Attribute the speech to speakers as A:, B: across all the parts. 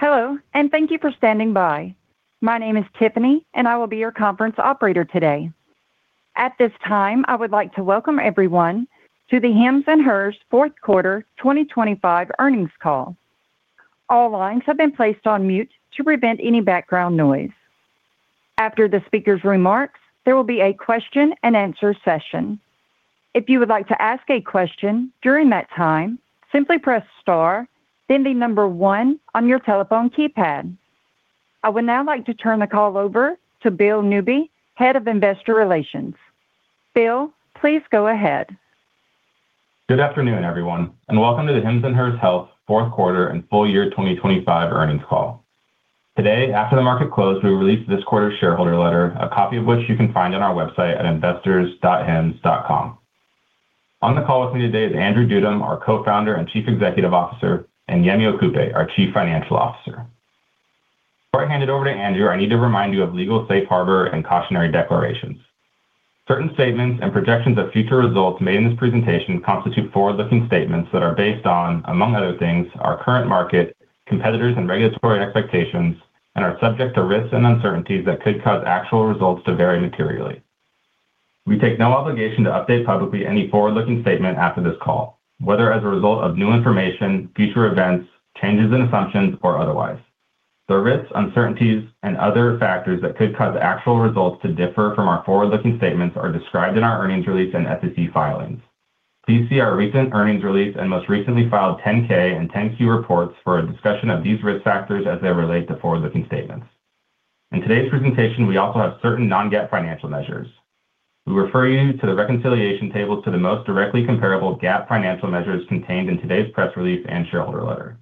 A: Hello, and thank you for standing by. My name is Tiffany, and I will be your conference operator today. At this time, I would like to welcome everyone to the Hims & Hers fourth quarter 2025 earnings call. All lines have been placed on mute to prevent any background noise. After the speaker's remarks, there will be a question and answer session. If you would like to ask a question during that time, simply press star, then the number 1 on your telephone keypad. I would now like to turn the call over to Bill Newby, Head of Investor Relations. Bill, please go ahead.
B: Good afternoon, everyone, welcome to the Hims & Hers Health fourth quarter and full year 2025 earnings call. Today, after the market closed, we released this quarter's shareholder letter, a copy of which you can find on our website at investors.hims.com. On the call with me today is Andrew Dudum, our Co-founder and Chief Executive Officer, and Yemi Okupe, our Chief Financial Officer. Before I hand it over to Andrew, I need to remind you of legal safe harbor and cautionary declarations. Certain statements and projections of future results made in this presentation constitute forward-looking statements that are based on, among other things, our current market, competitors and regulatory expectations, and are subject to risks and uncertainties that could cause actual results to vary materially. We take no obligation to update publicly any forward-looking statement after this call, whether as a result of new information, future events, changes in assumptions, or otherwise. The risks, uncertainties, and other factors that could cause actual results to differ from our forward-looking statements are described in our earnings release and SEC filings. Please see our recent earnings release and most recently filed 10-K and 10-Q reports for a discussion of these risk factors as they relate to forward-looking statements. In today's presentation, we also have certain non-GAAP financial measures. We refer you to the reconciliation table to the most directly comparable GAAP financial measures contained in today's press release and shareholder letter.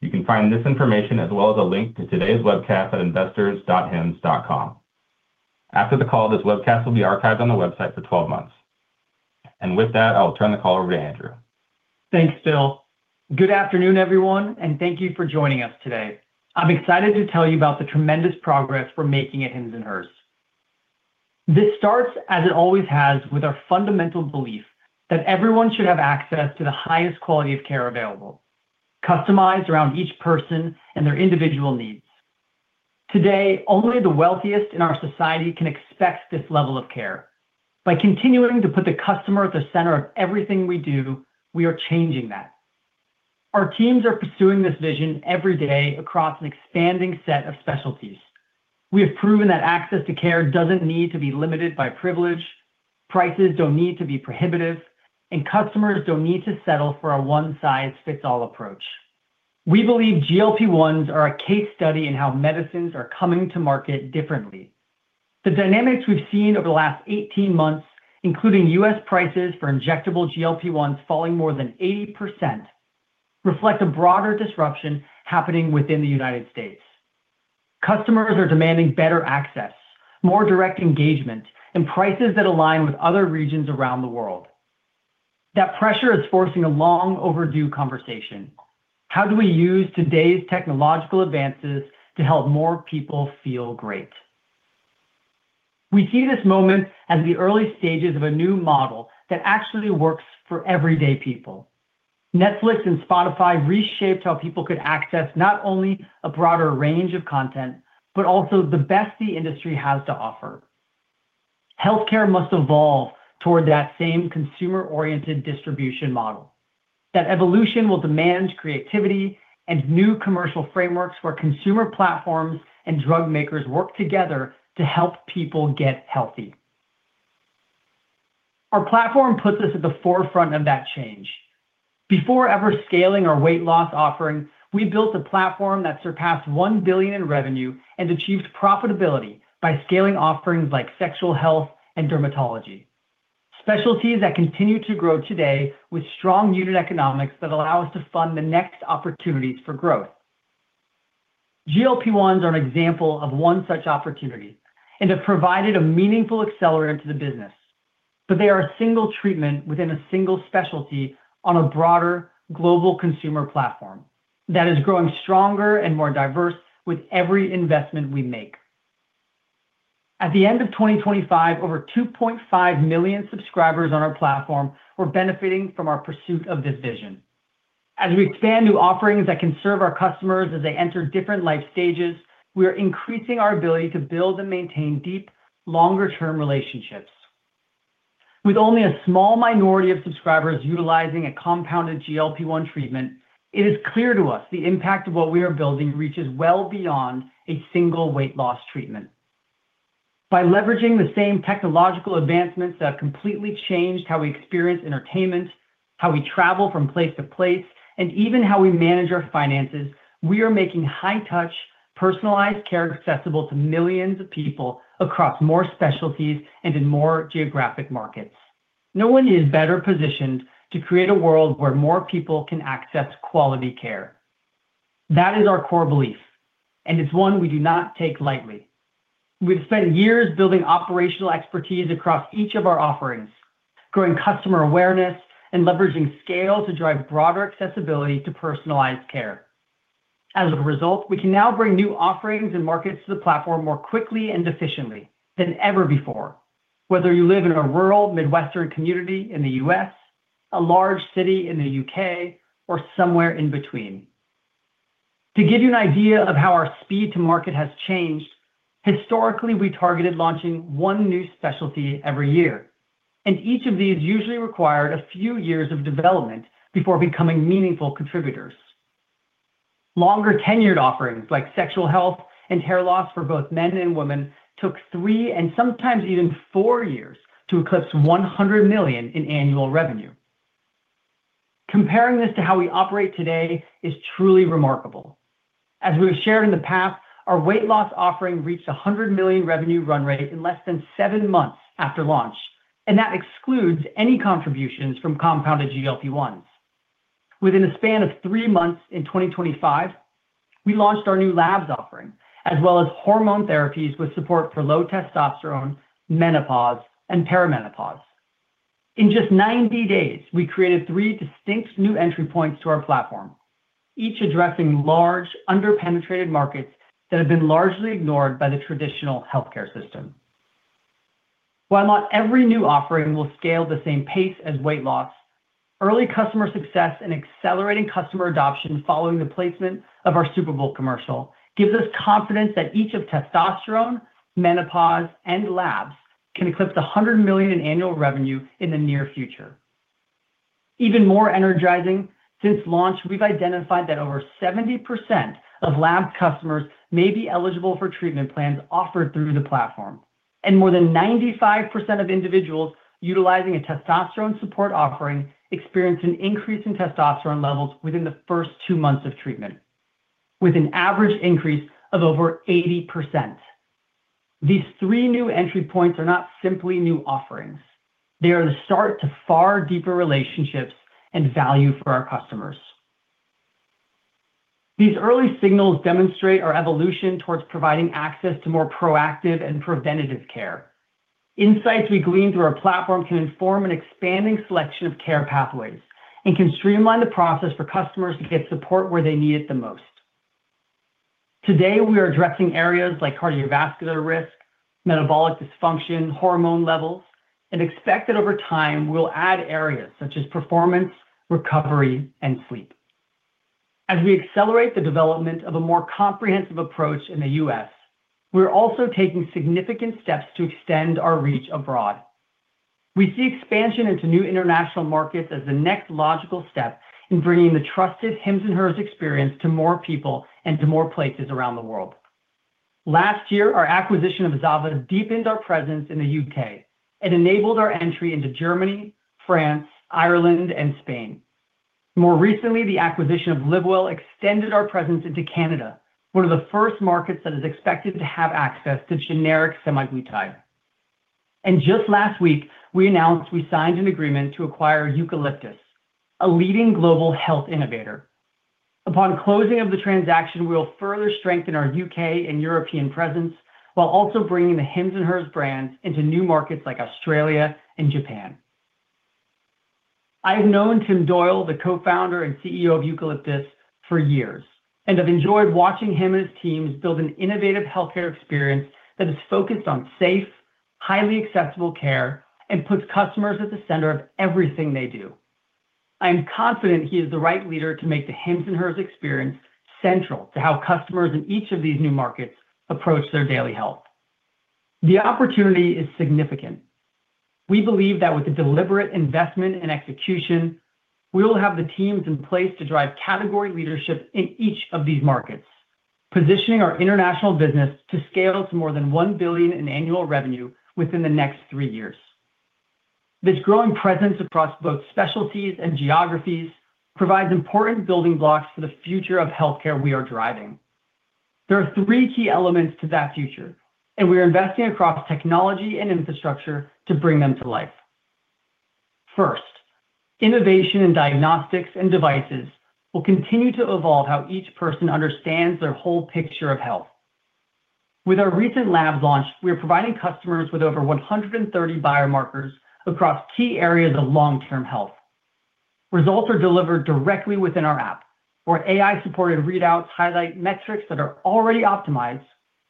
B: You can find this information, as well as a link to today's webcast, at investors.hims.com. After the call, this webcast will be archived on the website for 12 months. With that, I'll turn the call over to Andrew.
C: Thanks, Bill. Good afternoon, everyone, and thank you for joining us today. I'm excited to tell you about the tremendous progress we're making at Hims & Hers. This starts, as it always has, with our fundamental belief that everyone should have access to the highest quality of care available, customized around each person and their individual needs. Today, only the wealthiest in our society can expect this level of care. By continuing to put the customer at the center of everything we do, we are changing that. Our teams are pursuing this vision every day across an expanding set of specialties. We have proven that access to care doesn't need to be limited by privilege, prices don't need to be prohibitive, and customers don't need to settle for a one-size-fits-all approach. We believe GLP-1s are a case study in how medicines are coming to market differently. The dynamics we've seen over the last 18 months, including U.S. prices for injectable GLP-1s falling more than 80%, reflect a broader disruption happening within the United States. Customers are demanding better access, more direct engagement, and prices that align with other regions around the world. That pressure is forcing a long-overdue conversation: How do we use today's technological advances to help more people feel great? We see this moment as the early stages of a new model that actually works for everyday people. Netflix and Spotify reshaped how people could access not only a broader range of content, but also the best the industry has to offer. Healthcare must evolve toward that same consumer-oriented distribution model. That evolution will demand creativity and new commercial frameworks where consumer platforms and drug makers work together to help people get healthy. Our platform puts us at the forefront of that change. Before ever scaling our weight loss offering, we built a platform that surpassed $1 billion in revenue and achieved profitability by scaling offerings like sexual health and dermatology. Specialties that continue to grow today with strong unit economics that allow us to fund the next opportunities for growth. GLP-1s are an example of 1 such opportunity and have provided a meaningful accelerant to the business, but they are a single treatment within a single specialty on a broader global consumer platform that is growing stronger and more diverse with every investment we make. At the end of 2025, over 2.5 million subscribers on our platform were benefiting from our pursuit of this vision. As we expand new offerings that can serve our customers as they enter different life stages, we are increasing our ability to build and maintain deep, longer-term relationships. With only a small minority of subscribers utilizing a compounded GLP-1 treatment, it is clear to us the impact of what we are building reaches well beyond a single weight loss treatment. By leveraging the same technological advancements that have completely changed how we experience entertainment, how we travel from place to place, and even how we manage our finances, we are making high-touch, personalized care accessible to millions of people across more specialties and in more geographic markets. No one is better positioned to create a world where more people can access quality care. That is our core belief, and it's one we do not take lightly. We've spent years building operational expertise across each of our offerings, growing customer awareness and leveraging scale to drive broader accessibility to personalized care. As a result, we can now bring new offerings and markets to the platform more quickly and efficiently than ever before. Whether you live in a rural Midwestern community in the U.S...... A large city in the U.K. or somewhere in between. To give you an idea of how our speed to market has changed, historically, we targeted launching one new specialty every year, and each of these usually required a few years of development before becoming meaningful contributors. Longer-tenured offerings, like sexual health and hair loss for both men and women, took three and sometimes even four years to eclipse $100 million in annual revenue. Comparing this to how we operate today is truly remarkable. As we have shared in the past, our weight loss offering reached a $100 million revenue run rate in less than seven months after launch, and that excludes any contributions from compounded GLP-1s. Within a span of three months in 2025, we launched our new labs offering, as well as hormone therapies with support for low testosterone, menopause, and perimenopause. In just 90 days, we created three distinct new entry points to our platform, each addressing large, under-penetrated markets that have been largely ignored by the traditional healthcare system. While not every new offering will scale the same pace as weight loss, early customer success and accelerating customer adoption following the placement of our Super Bowl commercial gives us confidence that each of testosterone, menopause, and labs can eclipse $100 million in annual revenue in the near future. Even more energizing, since launch, we've identified that over 70% of lab customers may be eligible for treatment plans offered through the platform, and more than 95% of individuals utilizing a testosterone support offering experience an increase in testosterone levels within the first two months of treatment, with an average increase of over 80%. These three new entry points are not simply new offerings, they are the start to far deeper relationships and value for our customers. These early signals demonstrate our evolution towards providing access to more proactive and preventative care. Insights we glean through our platform can inform an expanding selection of care pathways and can streamline the process for customers to get support where they need it the most. Today, we are addressing areas like cardiovascular risk, metabolic dysfunction, hormone levels, and expect that over time, we'll add areas such as performance, recovery, and sleep. As we accelerate the development of a more comprehensive approach in the U.S., we're also taking significant steps to extend our reach abroad. We see expansion into new international markets as the next logical step in bringing the trusted Hims & Hers experience to more people and to more places around the world. Last year, our acquisition of Zava deepened our presence in the U.K. and enabled our entry into Germany, France, Ireland, and Spain. More recently, the acquisition of LiVWell extended our presence into Canada, 1 of the first markets that is expected to have access to generic semaglutide. Just last week, we announced we signed an agreement to acquire Eucalyptus, a leading global health innovator. Upon closing of the transaction, we will further strengthen our U.K. and European presence while also bringing the Hims & Hers brands into new markets like Australia and Japan. I have known Tim Doyle, the Co-founder and CEO of Eucalyptus, for years, and have enjoyed watching him and his teams build an innovative healthcare experience that is focused on safe, highly accessible care, and puts customers at the center of everything they do. I am confident he is the right leader to make the Hims and Hers experience central to how customers in each of these new markets approach their daily health. The opportunity is significant. We believe that with a deliberate investment and execution, we will have the teams in place to drive category leadership in each of these markets, positioning our international business to scale to more than $1 billion in annual revenue within the next three years. This growing presence across both specialties and geographies provides important building blocks for the future of healthcare we are driving. There are three key elements to that future. We are investing across technology and infrastructure to bring them to life. First, innovation in diagnostics and devices will continue to evolve how each person understands their whole picture of health. With our recent lab launch, we are providing customers with over 130 biomarkers across key areas of long-term health. Results are delivered directly within our app, where AI-supported readouts highlight metrics that are already optimized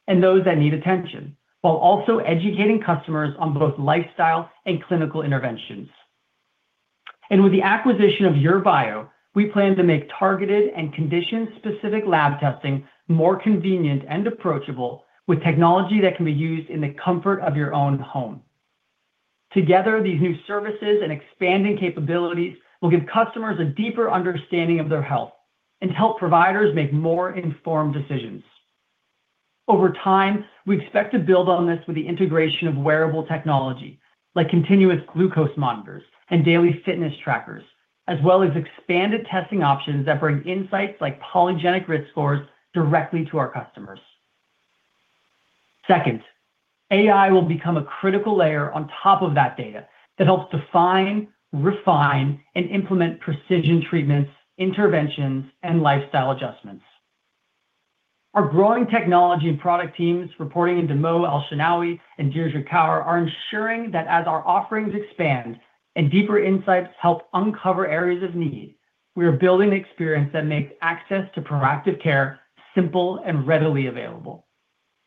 C: and those that need attention, while also educating customers on both lifestyle and clinical interventions. With the acquisition of Your.Bio, we plan to make targeted and condition-specific lab testing more convenient and approachable with technology that can be used in the comfort of your own home. Together, these new services and expanding capabilities will give customers a deeper understanding of their health and help providers make more informed decisions. Over time, we expect to build on this with the integration of wearable technology, like continuous glucose monitors and daily fitness trackers, as well as expanded testing options that bring insights like polygenic risk scores directly to our customers. Second, AI will become a critical layer on top of that data that helps define, refine, and implement precision treatments, interventions, and lifestyle adjustments. Our growing technology and product teams, reporting into Mo Elshenawy and Dheerja Kaur, are ensuring that as our offerings expand and deeper insights help uncover areas of need, we are building an experience that makes access to proactive care simple and readily available.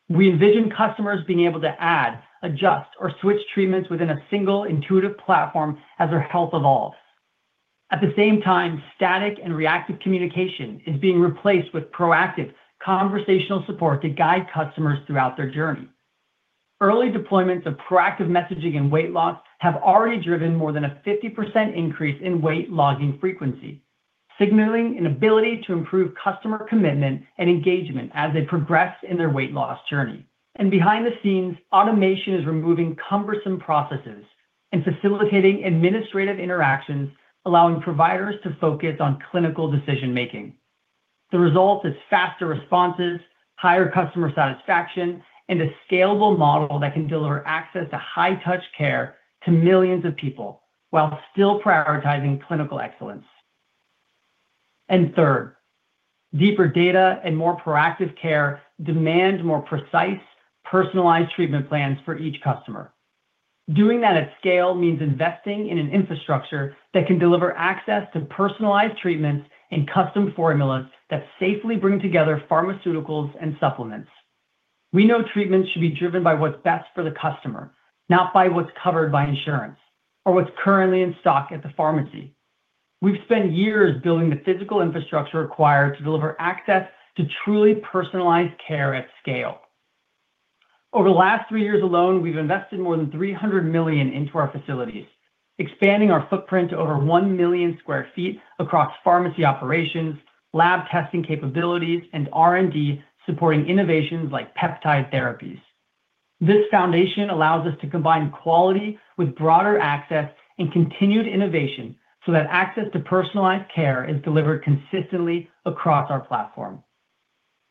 C: We envision customers being able to add, adjust, or switch treatments within a single intuitive platform as their health evolves. At the same time, static and reactive communication is being replaced with proactive conversational support to guide customers throughout their journey. Early deployments of proactive messaging and weight loss have already driven more than a 50% increase in weight logging frequency, signaling an ability to improve customer commitment and engagement as they progress in their weight loss journey. Behind the scenes, automation is removing cumbersome processes and facilitating administrative interactions, allowing providers to focus on clinical decision making. The result is faster responses, higher customer satisfaction, and a scalable model that can deliver access to high-touch care to millions of people, while still prioritizing clinical excellence. Third, deeper data and more proactive care demand more precise, personalized treatment plans for each customer. Doing that at scale means investing in an infrastructure that can deliver access to personalized treatments and custom formulas that safely bring together pharmaceuticals and supplements. We know treatments should be driven by what's best for the customer, not by what's covered by insurance or what's currently in stock at the pharmacy. We've spent years building the physical infrastructure required to deliver access to truly personalized care at scale. Over the last 3 years alone, we've invested more than $300 million into our facilities, expanding our footprint to over 1 million sq ft across pharmacy operations, lab testing capabilities, and R&D, supporting innovations like peptide therapies. This foundation allows us to combine quality with broader access and continued innovation so that access to personalized care is delivered consistently across our platform.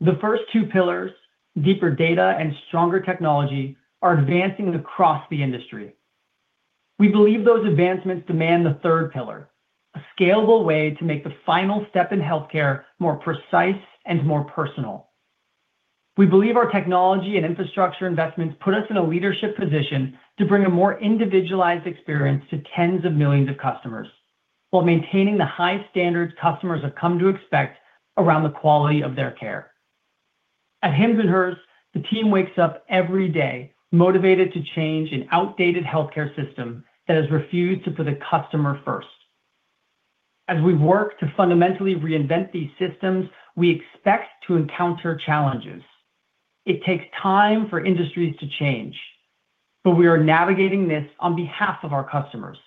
C: The first 2 pillars, deeper data and stronger technology, are advancing across the industry. We believe those advancements demand the third pillar, a scalable way to make the final step in healthcare more precise and more personal. We believe our technology and infrastructure investments put us in a leadership position to bring a more individualized experience to tens of millions of customers, while maintaining the high standards customers have come to expect around the quality of their care. At Hims & Hers, the team wakes up every day motivated to change an outdated healthcare system that has refused to put the customer first. As we work to fundamentally reinvent these systems, we expect to encounter challenges. It takes time for industries to change, but we are navigating this on behalf of our customers.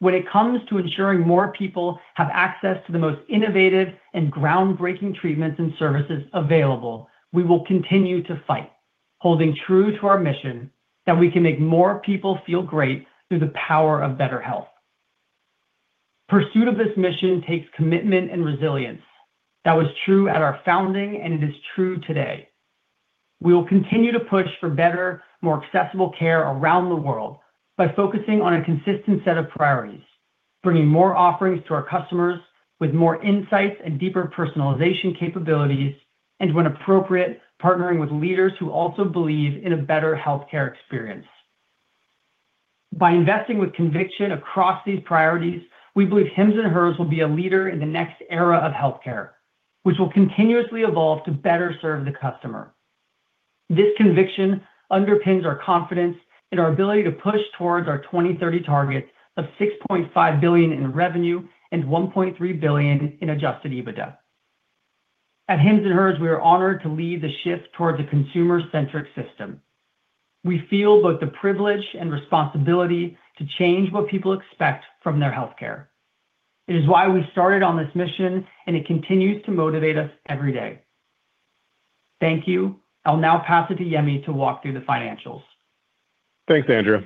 C: When it comes to ensuring more people have access to the most innovative and groundbreaking treatments and services available, we will continue to fight, holding true to our mission that we can make more people feel great through the power of better health. Pursuit of this mission takes commitment and resilience. That was true at our founding, and it is true today. We will continue to push for better, more accessible care around the world by focusing on a consistent set of priorities, bringing more offerings to our customers with more insights and deeper personalization capabilities, and, when appropriate, partnering with leaders who also believe in a better healthcare experience. By investing with conviction across these priorities, we believe Hims & Hers will be a leader in the next era of healthcare, which will continuously evolve to better serve the customer. This conviction underpins our confidence in our ability to push towards our 2030 target of $6.5 billion in revenue and $1.3 billion in Adjusted EBITDA. At Hims & Hers, we are honored to lead the shift towards a consumer-centric system. We feel both the privilege and responsibility to change what people expect from their healthcare. It is why we started on this mission, and it continues to motivate us every day. Thank you. I'll now pass it to Yemi to walk through the financials.
D: Thanks, Andrew.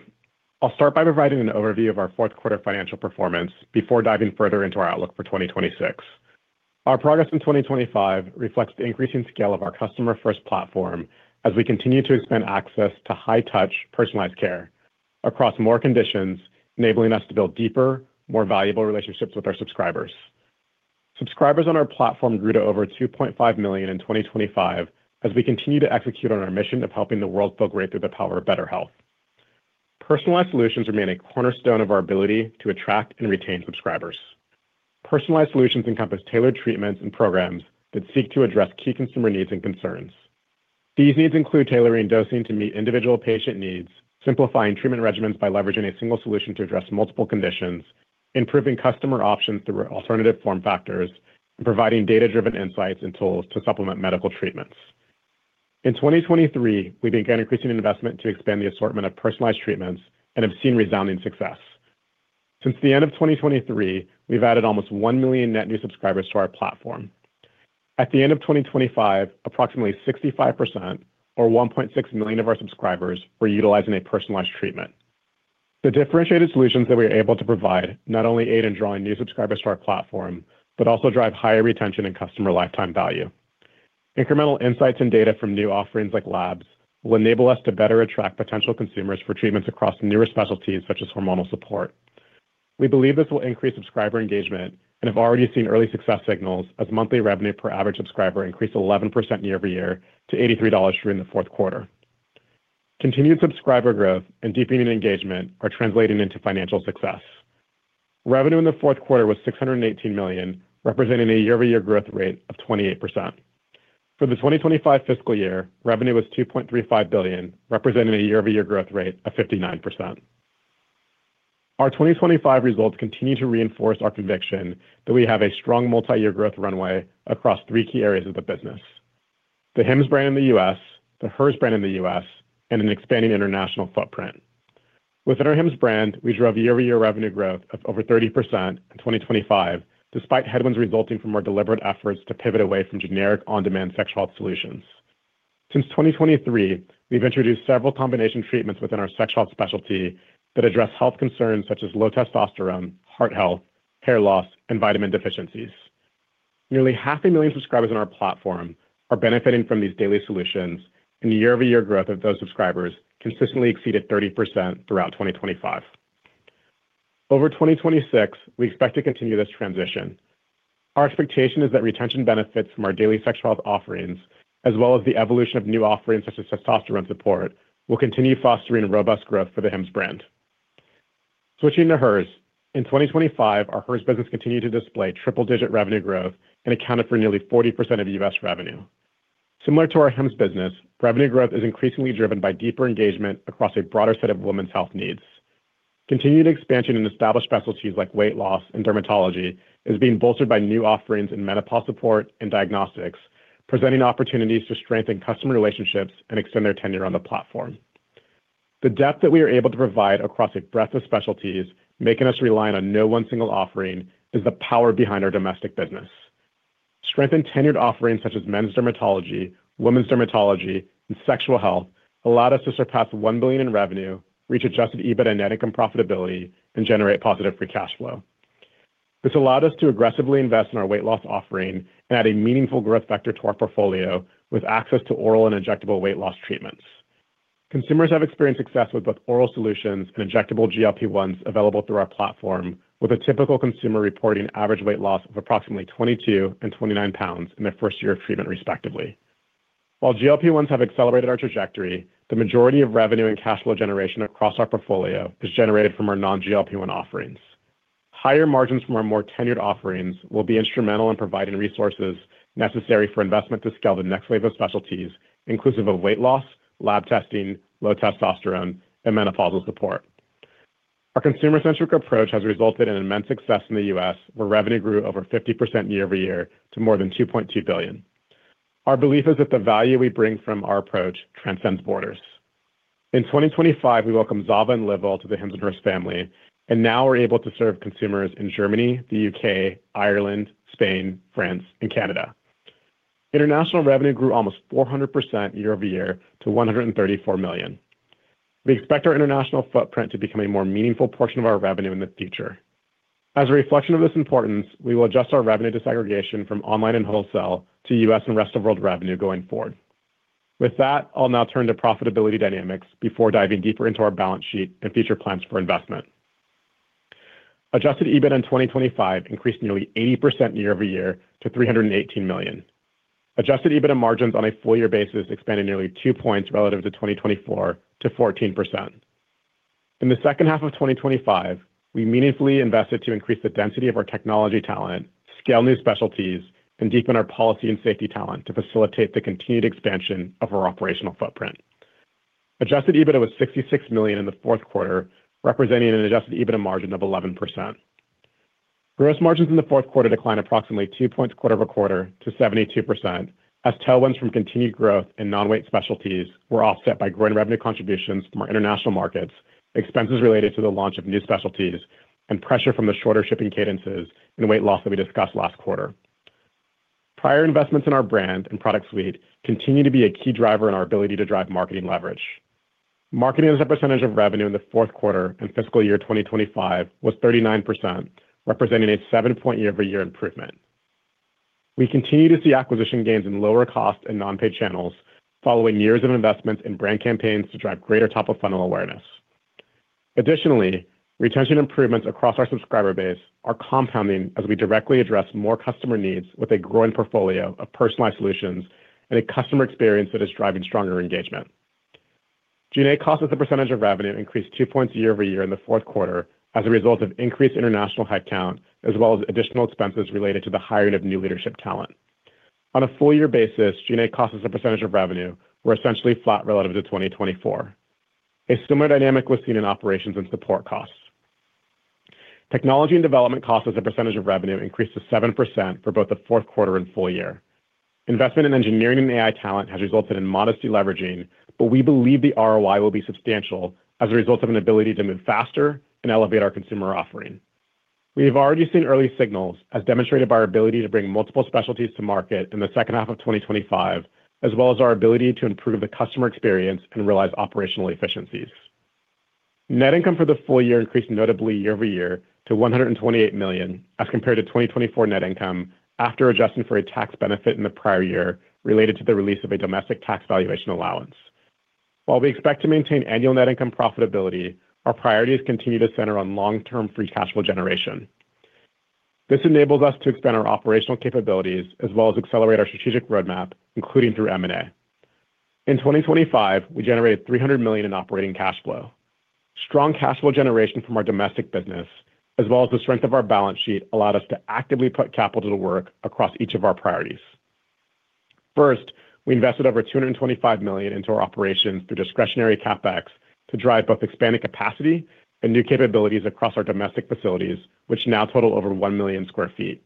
D: I'll start by providing an overview of our fourth quarter financial performance before diving further into our outlook for 2026. Our progress in 2025 reflects the increasing scale of our customer-first platform as we continue to expand access to high-touch, personalized care across more conditions, enabling us to build deeper, more valuable relationships with our subscribers. Subscribers on our platform grew to over 2.5 million in 2025, as we continue to execute on our mission of helping the world feel great through the power of better health. Personalized solutions remain a cornerstone of our ability to attract and retain subscribers. Personalized solutions encompass tailored treatments and programs that seek to address key consumer needs and concerns. These needs include tailoring dosing to meet individual patient needs, simplifying treatment regimens by leveraging a single solution to address multiple conditions, improving customer options through alternative form factors, and providing data-driven insights and tools to supplement medical treatments. In 2023, we began increasing investment to expand the assortment of personalized treatments and have seen resounding success. Since the end of 2023, we've added almost 1 million net new subscribers to our platform. At the end of 2025, approximately 65% or 1.6 million of our subscribers were utilizing a personalized treatment. The differentiated solutions that we are able to provide not only aid in drawing new subscribers to our platform, but also drive higher retention and customer lifetime value. Incremental insights and data from new offerings like Labs will enable us to better attract potential consumers for treatments across newer specialties, such as hormonal support. We believe this will increase subscriber engagement and have already seen early success signals as monthly revenue per average subscriber increased 11% year-over-year to $83 through in the fourth quarter. Continued subscriber growth and deepening engagement are translating into financial success. Revenue in the fourth quarter was $618 million, representing a year-over-year growth rate of 28%. For the 2025 fiscal year, revenue was $2.35 billion, representing a year-over-year growth rate of 59%. Our 2025 results continue to reinforce our conviction that we have a strong multi-year growth runway across three key areas of the business: the Hims brand in the US, the Hers brand in the U.S., and an expanding international footprint. Within our Hims brand, we drove year-over-year revenue growth of over 30% in 2025, despite headwinds resulting from our deliberate efforts to pivot away from generic, on-demand sexual solutions. Since 2023, we've introduced several combination treatments within our sexual specialty that address health concerns such as low testosterone, heart health, hair loss, and vitamin deficiencies. Nearly half a million subscribers on our platform are benefiting from these daily solutions, and the year-over-year growth of those subscribers consistently exceeded 30% throughout 2025. Over 2026, we expect to continue this transition. Our expectation is that retention benefits from our daily sexual health offerings, as well as the evolution of new offerings such as testosterone support, will continue fostering a robust growth for the Hims brand. Switching to Hers. In 2025, our Hers business continued to display triple-digit revenue growth and accounted for nearly 40% of U.S. revenue. Similar to our Hims business, revenue growth is increasingly driven by deeper engagement across a broader set of women's health needs. Continued expansion in established specialties like weight loss and dermatology is being bolstered by new offerings in menopause support and diagnostics, presenting opportunities to strengthen customer relationships and extend their tenure on the platform. The depth that we are able to provide across a breadth of specialties, making us reliant on no one single offering, is the power behind our domestic business. Strengthened tenured offerings such as men's dermatology, women's dermatology, and sexual health allowed us to surpass $1 billion in revenue, reach Adjusted EBITDA net income profitability, and generate positive free cash flow. This allowed us to aggressively invest in our weight loss offering and add a meaningful growth vector to our portfolio with access to oral and injectable weight loss treatments. Consumers have experienced success with both oral solutions and injectable GLP-1s available through our platform, with a typical consumer reporting average weight loss of approximately 22 and 29 pounds in their first year of treatment, respectively. While GLP-1s have accelerated our trajectory, the majority of revenue and cash flow generation across our portfolio is generated from our non-GLP-1 offerings. Higher margins from our more tenured offerings will be instrumental in providing resources necessary for investment to scale the next wave of specialties, inclusive of weight loss, lab testing, low testosterone, and menopausal support. Our consumer-centric approach has resulted in immense success in the U.S., where revenue grew over 50% year-over-year to more than $2.2 billion. Our belief is that the value we bring from our approach transcends borders. In 2025, we welcomed Zava and Livewell to the Hims & Hers family. Now we're able to serve consumers in Germany, the U.K., Ireland, Spain, France, and Canada. International revenue grew almost 400% year-over-year to $134 million. We expect our international footprint to become a more meaningful portion of our revenue in the future. As a reflection of this importance, we will adjust our revenue disaggregation from online and wholesale to U.S. and rest of world revenue going forward. With that, I'll now turn to profitability dynamics before diving deeper into our balance sheet and future plans for investment. Adjusted EBITDA in 2025 increased nearly 80% year-over-year to $318 million. Adjusted EBITDA margins on a full year basis expanded nearly 2 points relative to 2024 to 14%. In the second half of 2025, we meaningfully invested to increase the density of our technology talent, scale new specialties, and deepen our policy and safety talent to facilitate the continued expansion of our operational footprint. Adjusted EBITDA was $66 million in the fourth quarter, representing an Adjusted EBITDA margin of 11%. Gross margins in the fourth quarter declined approximately 2 points quarter-over-quarter to 72%, as tailwinds from continued growth in non-weight specialties were offset by growing revenue contributions from our international markets, expenses related to the launch of new specialties, and pressure from the shorter shipping cadences and the weight loss that we discussed last quarter. Prior investments in our brand and product suite continue to be a key driver in our ability to drive marketing leverage. Marketing as a percentage of revenue in the fourth quarter and fiscal year 2025 was 39%, representing a 7-point year-over-year improvement. We continue to see acquisition gains in lower cost and non-paid channels following years of investments in brand campaigns to drive greater top-of-funnel awareness. Additionally, retention improvements across our subscriber base are compounding as we directly address more customer needs with a growing portfolio of personalized solutions and a customer experience that is driving stronger engagement. G&A costs as a percentage of revenue increased 2 points year-over-year in the fourth quarter as a result of increased international headcount, as well as additional expenses related to the hiring of new leadership talent. On a full year basis, G&A costs as a percentage of revenue were essentially flat relative to 2024. A similar dynamic was seen in operations and support costs. Technology and development costs as a percentage of revenue increased to 7% for both the fourth quarter and full year. Investment in engineering and AI talent has resulted in modestly leveraging, but we believe the ROI will be substantial as a result of an ability to move faster and elevate our consumer offering. We have already seen early signals as demonstrated by our ability to bring multiple specialties to market in the second half of 2025, as well as our ability to improve the customer experience and realize operational efficiencies. Net income for the full year increased notably year-over-year to $128 million, as compared to 2024 net income after adjusting for a tax benefit in the prior year related to the release of a domestic tax valuation allowance. While we expect to maintain annual net income profitability, our priorities continue to center on long-term free cash flow generation.... This enables us to expand our operational capabilities as well as accelerate our strategic roadmap, including through M&A. In 2025, we generated $300 million in operating cash flow. Strong cash flow generation from our domestic business, as well as the strength of our balance sheet, allowed us to actively put capital to work across each of our priorities. First, we invested over $225 million into our operations through discretionary CapEx to drive both expanded capacity and new capabilities across our domestic facilities, which now total over 1 million sq ft.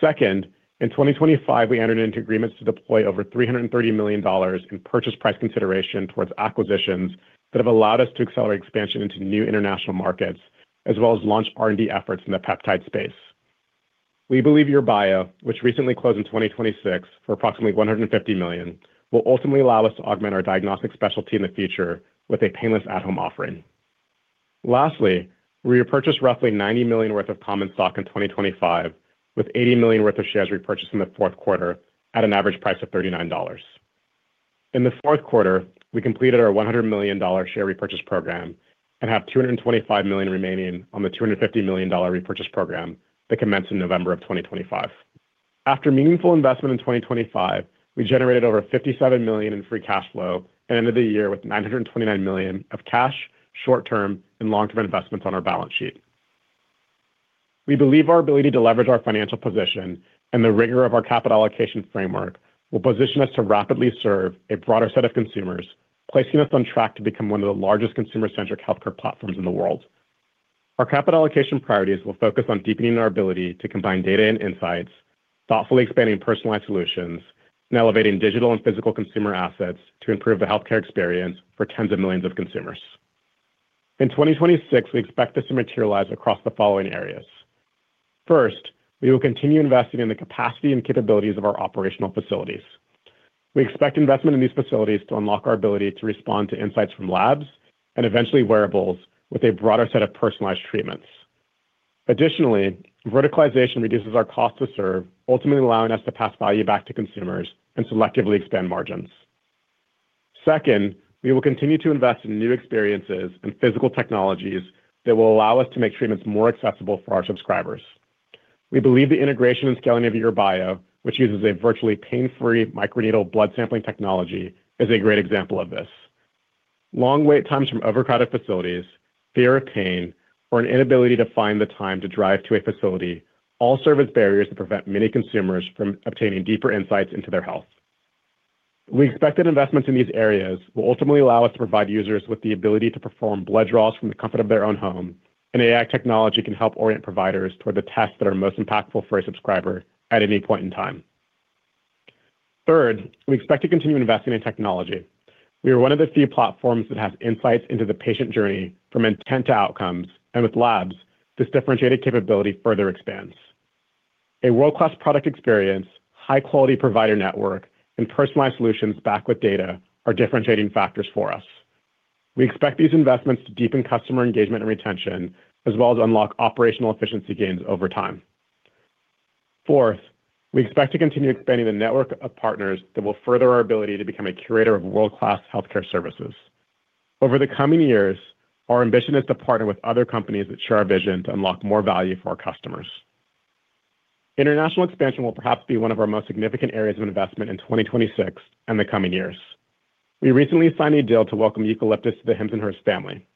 D: Second, in 2025, we entered into agreements to deploy over $330 million in purchase price consideration towards acquisitions that have allowed us to accelerate expansion into new international markets, as well as launch R&D efforts in the peptide space. We believe Your.Bio Health, which recently closed in 2026 for approximately $150 million, will ultimately allow us to augment our diagnostic specialty in the future with a painless at-home offering. Lastly, I mean, we repurchased roughly $90 million worth of common stock in 2025, with $80 million worth of shares repurchased in the fourth quarter at an average price of $39. In the fourth quarter, we completed our $100 million share repurchase program and have $225 million remaining on the $250 million repurchase program that commenced in November of 2025. After meaningful investment in 2025, we generated over $57 million in free cash flow and ended the year with $929 million of cash, short-term, and long-term investments on our balance sheet. We believe our ability to leverage our financial position and the rigor of our capital allocation framework will position us to rapidly serve a broader set of consumers, placing us on track to become one of the largest consumer-centric healthcare platforms in the world. Our capital allocation priorities will focus on deepening our ability to combine data and insights, thoughtfully expanding personalized solutions, and elevating digital and physical consumer assets to improve the healthcare experience for tens of millions of consumers. In 2026, we expect this to materialize across the following areas. First, we will continue investing in the capacity and capabilities of our operational facilities. We expect investment in these facilities to unlock our ability to respond to insights from labs and eventually wearables with a broader set of personalized treatments. Additionally, verticalization reduces our cost to serve, ultimately allowing us to pass value back to consumers and selectively expand margins. Second, we will continue to invest in new experiences and physical technologies that will allow us to make treatments more accessible for our subscribers. We believe the integration and scaling of YourBio, which uses a virtually pain-free microneedle blood sampling technology, is a great example of this. Long wait times from overcrowded facilities, fear of pain, or an inability to find the time to drive to a facility all serve as barriers that prevent many consumers from obtaining deeper insights into their health. We expect that investments in these areas will ultimately allow us to provide users with the ability to perform blood draws from the comfort of their own home, and AI technology can help orient providers toward the tests that are most impactful for a subscriber at any point in time. Third, we expect to continue investing in technology. We are one of the few platforms that has insights into the patient journey from intent to outcomes, and with labs, this differentiated capability further expands. A world-class product experience, high-quality provider network, and personalized solutions backed with data are differentiating factors for us. We expect these investments to deepen customer engagement and retention, as well as unlock operational efficiency gains over time. Fourth, we expect to continue expanding the network of partners that will further our ability to become a curator of world-class healthcare services. Over the coming years, our ambition is to partner with other companies that share our vision to unlock more value for our customers. International expansion will perhaps be one of our most significant areas of investment in 2026 and the coming years. We recently signed a deal to welcome Eucalyptus to the Hims & Hers family.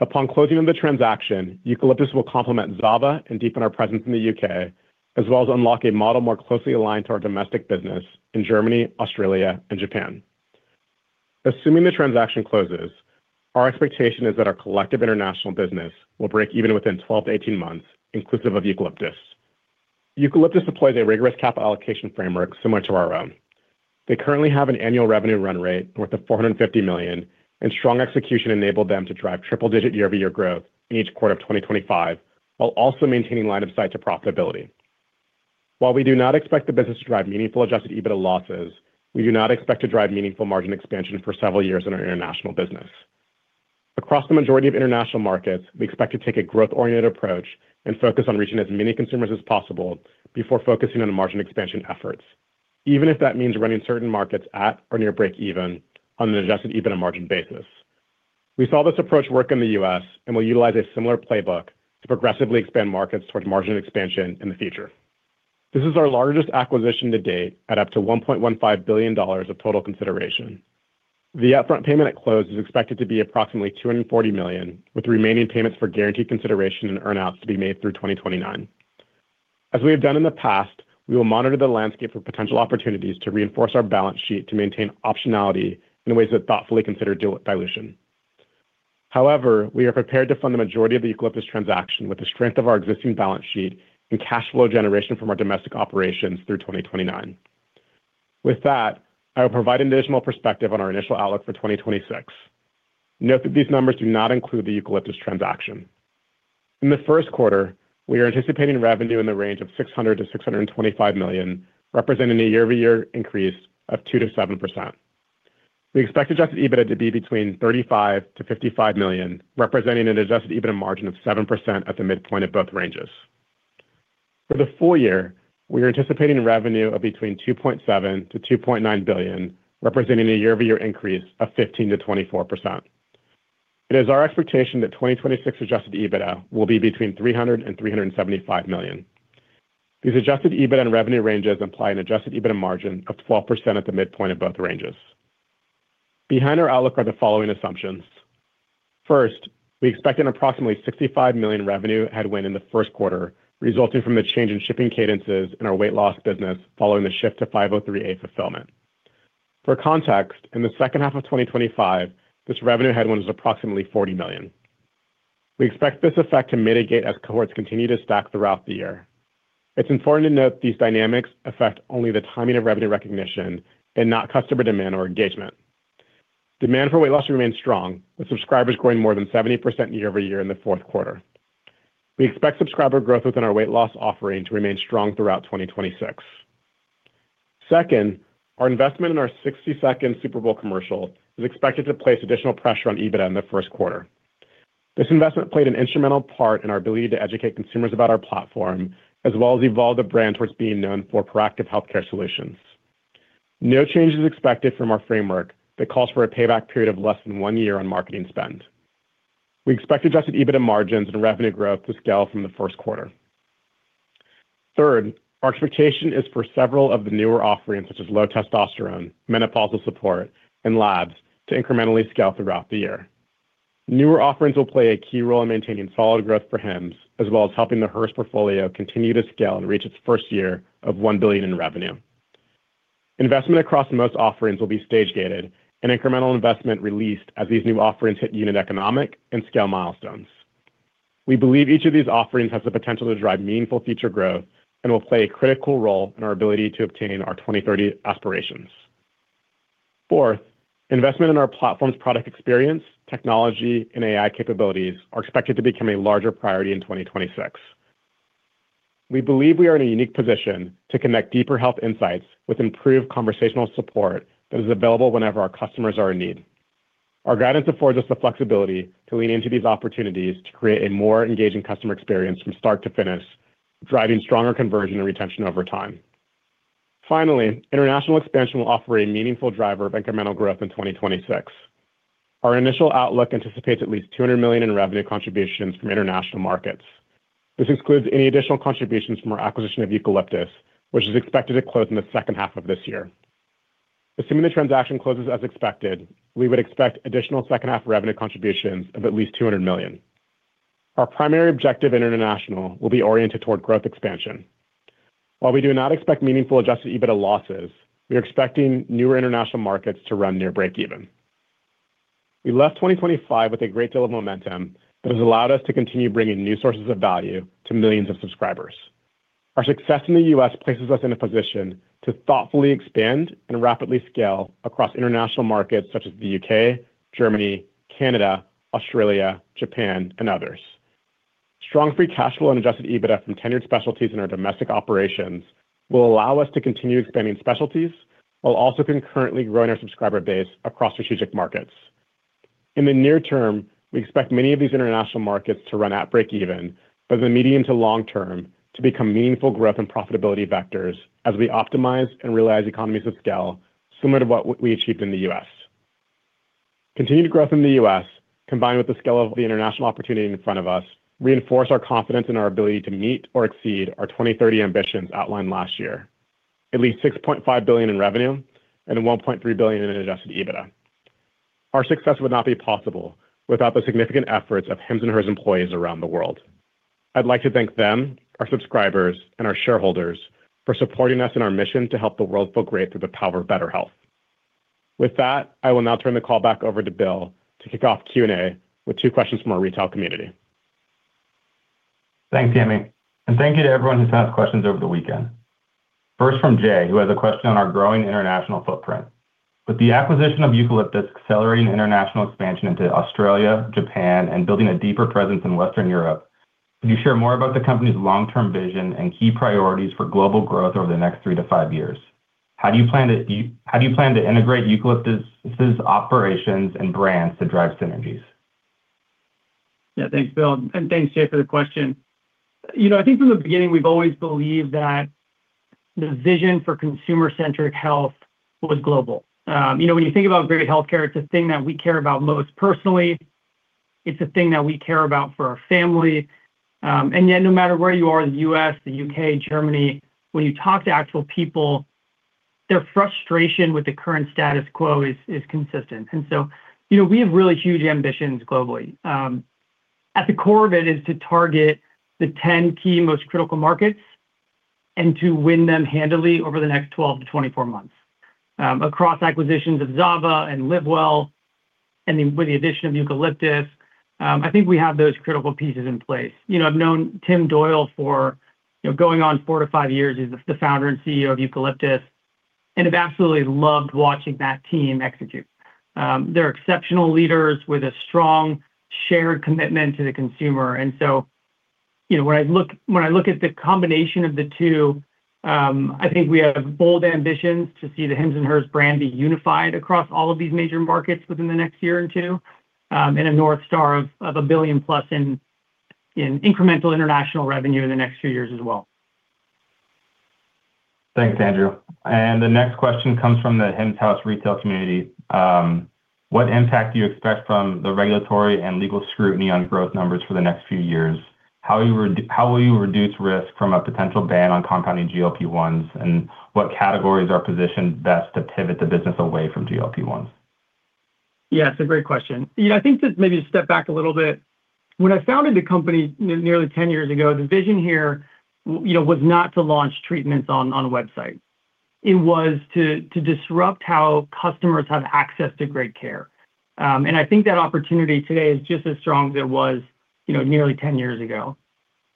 D: Upon closing of the transaction, Eucalyptus will complement Zava and deepen our presence in the UK, as well as unlock a model more closely aligned to our domestic business in Germany, Australia, and Japan. Assuming the transaction closes, our expectation is that our collective international business will break even within 12-18 months, inclusive of Eucalyptus. Eucalyptus deploys a rigorous capital allocation framework similar to our own. They currently have an annual revenue run rate worth of $450 million, and strong execution enabled them to drive triple-digit year-over-year growth in each quarter of 2025, while also maintaining line of sight to profitability. While we do not expect the business to drive meaningful Adjusted EBITDA losses, we do not expect to drive meaningful margin expansion for several years in our international business. Across the majority of international markets, we expect to take a growth-oriented approach and focus on reaching as many consumers as possible before focusing on margin expansion efforts, even if that means running certain markets at or near breakeven on an Adjusted EBITDA margin basis. We saw this approach work in the U.S., and we'll utilize a similar playbook to progressively expand markets towards margin expansion in the future. This is our largest acquisition to date, at up to $1.15 billion of total consideration. The upfront payment at close is expected to be approximately $240 million, with remaining payments for guaranteed consideration and earn-outs to be made through 2029. As we have done in the past, we will monitor the landscape for potential opportunities to reinforce our balance sheet to maintain optionality in ways that thoughtfully consider dilution. However, we are prepared to fund the majority of the Eucalyptus transaction with the strength of our existing balance sheet and cash flow generation from our domestic operations through 2029. With that, I will provide additional perspective on our initial outlook for 2026. Note that these numbers do not include the Eucalyptus transaction. In the first quarter, we are anticipating revenue in the range of $600 million-$625 million, representing a year-over-year increase of 2%-7%. We expect Adjusted EBITDA to be between $35 million-$55 million, representing an Adjusted EBITDA margin of 7% at the midpoint of both ranges. For the full year, we are anticipating revenue of between $2.7 billion-$2.9 billion, representing a year-over-year increase of 15%-24%. It is our expectation that 2026 Adjusted EBITDA will be between $300 million and $375 million. These Adjusted EBITDA and revenue ranges imply an Adjusted EBITDA margin of 12% at the midpoint of both ranges. Behind our outlook are the following assumptions: First, we expect an approximately $65 million revenue headwind in the first quarter, resulting from the change in shipping cadences in our weight loss business following the shift to 503A fulfillment. For context, in the second half of 2025, this revenue headwind is approximately $40 million. We expect this effect to mitigate as cohorts continue to stack throughout the year. It's important to note these dynamics affect only the timing of revenue recognition and not customer demand or engagement. Demand for weight loss remains strong, with subscribers growing more than 70% year-over-year in the fourth quarter. We expect subscriber growth within our weight loss offering to remain strong throughout 2026. Second, our investment in our 60-second Super Bowl commercial is expected to place additional pressure on EBITDA in the first quarter. This investment played an instrumental part in our ability to educate consumers about our platform, as well as evolve the brand towards being known for proactive healthcare solutions. No change is expected from our framework that calls for a payback period of less than one year on marketing spend. We expect Adjusted EBITDA margins and revenue growth to scale from the first quarter. Third, our expectation is for several of the newer offerings, such as low testosterone, menopausal support, and labs, to incrementally scale throughout the year. Newer offerings will play a key role in maintaining solid growth for Hims, as well as helping the Hers portfolio continue to scale and reach its first year of $1 billion in revenue. Investment across most offerings will be stage-gated, and incremental investment released as these new offerings hit unit economic and scale milestones. We believe each of these offerings has the potential to drive meaningful future growth and will play a critical role in our ability to obtain our 2030 aspirations. Fourth, investment in our platform's product experience, technology, and AI capabilities are expected to become a larger priority in 2026. We believe we are in a unique position to connect deeper health insights with improved conversational support that is available whenever our customers are in need. Our guidance affords us the flexibility to lean into these opportunities to create a more engaging customer experience from start to finish, driving stronger conversion and retention over time. Finally, international expansion will offer a meaningful driver of incremental growth in 2026. Our initial outlook anticipates at least $200 million in revenue contributions from international markets. This includes any additional contributions from our acquisition of Eucalyptus, which is expected to close in the second half of this year. Assuming the transaction closes as expected, we would expect additional second half revenue contributions of at least $200 million. Our primary objective in international will be oriented toward growth expansion. While we do not expect meaningful Adjusted EBITDA losses, we are expecting newer international markets to run near breakeven. We left 2025 with a great deal of momentum that has allowed us to continue bringing new sources of value to millions of subscribers. Our success in the U.S. places us in a position to thoughtfully expand and rapidly scale across international markets such as the U.K., Germany, Canada, Australia, Japan, and others. Strong free cash flow and Adjusted EBITDA from tenured specialties in our domestic operations will allow us to continue expanding specialties, while also concurrently growing our subscriber base across strategic markets. In the near term, we expect many of these international markets to run at breakeven, but in the medium to long term, to become meaningful growth and profitability vectors as we optimize and realize economies of scale, similar to what we achieved in the U.S. Continued growth in the U.S., combined with the scale of the international opportunity in front of us, reinforce our confidence in our ability to meet or exceed our 2030 ambitions outlined last year. At least $6.5 billion in revenue and $1.3 billion in Adjusted EBITDA. Our success would not be possible without the significant efforts of Hims & Hers employees around the world. I'd like to thank them, our subscribers, and our shareholders for supporting us in our mission to help the world feel great through the power of better health. With that, I will now turn the call back over to Bill to kick off Q&A with two questions from our retail community.
B: Thanks, Yemi, and thank you to everyone who's asked questions over the weekend. First, from Jay, who has a question on our growing international footprint. With the acquisition of Eucalyptus accelerating international expansion into Australia, Japan, and building a deeper presence in Western Europe, could you share more about the company's long-term vision and key priorities for global growth over the next three to five years? How do you plan to integrate Eucalyptus's operations and brands to drive synergies?
C: Yeah, thanks, Bill, and thanks, Jay, for the question. You know, I think from the beginning, we've always believed that the vision for consumer-centric health was global. You know, when you think about great healthcare, it's a thing that we care about most personally. It's a thing that we care about for our family. Yet, no matter where you are, the U.S., the U.K., Germany, when you talk to actual people, their frustration with the current status quo is, is consistent. So, you know, we have really huge ambitions globally. At the core of it is to target the 10 key most critical markets and to win them handily over the next 12-24 months. Across acquisitions of Zava and Livewell, and then with the addition of Eucalyptus, I think we have those critical pieces in place. You know, I've known Tim Doyle for, you know, going on four to five years. He's the founder and CEO of Eucalyptus, and I've absolutely loved watching that team execute. They're exceptional leaders with a strong shared commitment to the consumer, and so, you know, when I look at the combination of the two, I think we have bold ambitions to see the Hims and Hers brand be unified across all of these major markets within the next year and 2, and a North Star of a $1 billion+ in incremental international revenue in the next few years as well.
B: Thanks, Andrew. The next question comes from the Hims House retail community. What impact do you expect from the regulatory and legal scrutiny on growth numbers for the next few years? How will you reduce risk from a potential ban on compounding GLP-1s? What categories are positioned best to pivot the business away from GLP-1s?
C: Yeah, it's a great question. Yeah, I think that maybe to step back a little bit. When I founded the company nearly 10 years ago, the vision here, you know, was not to launch treatments on, on a website. It was to, to disrupt how customers have access to great care. And I think that opportunity today is just as strong as it was, you know, nearly 10 years ago.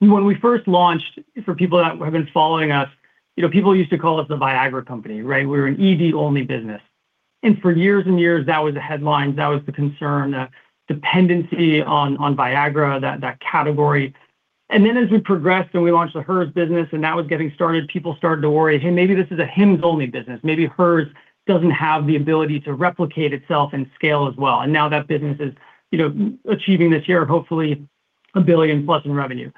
C: When we first launched, for people that have been following us, you know, people used to call us the Viagra company, right? We were an ED-only business. And for years and years, that was the headlines, that was the concern, the dependency on, on Viagra, that, that category. And then as we progressed and we launched the Hers business, and that was getting started, people started to worry, "Hey, maybe this is a Hims-only business. Maybe Hers doesn't have the ability to replicate itself and scale as well. Now that business is, you know, achieving this year, hopefully a $1 billion-plus in revenue.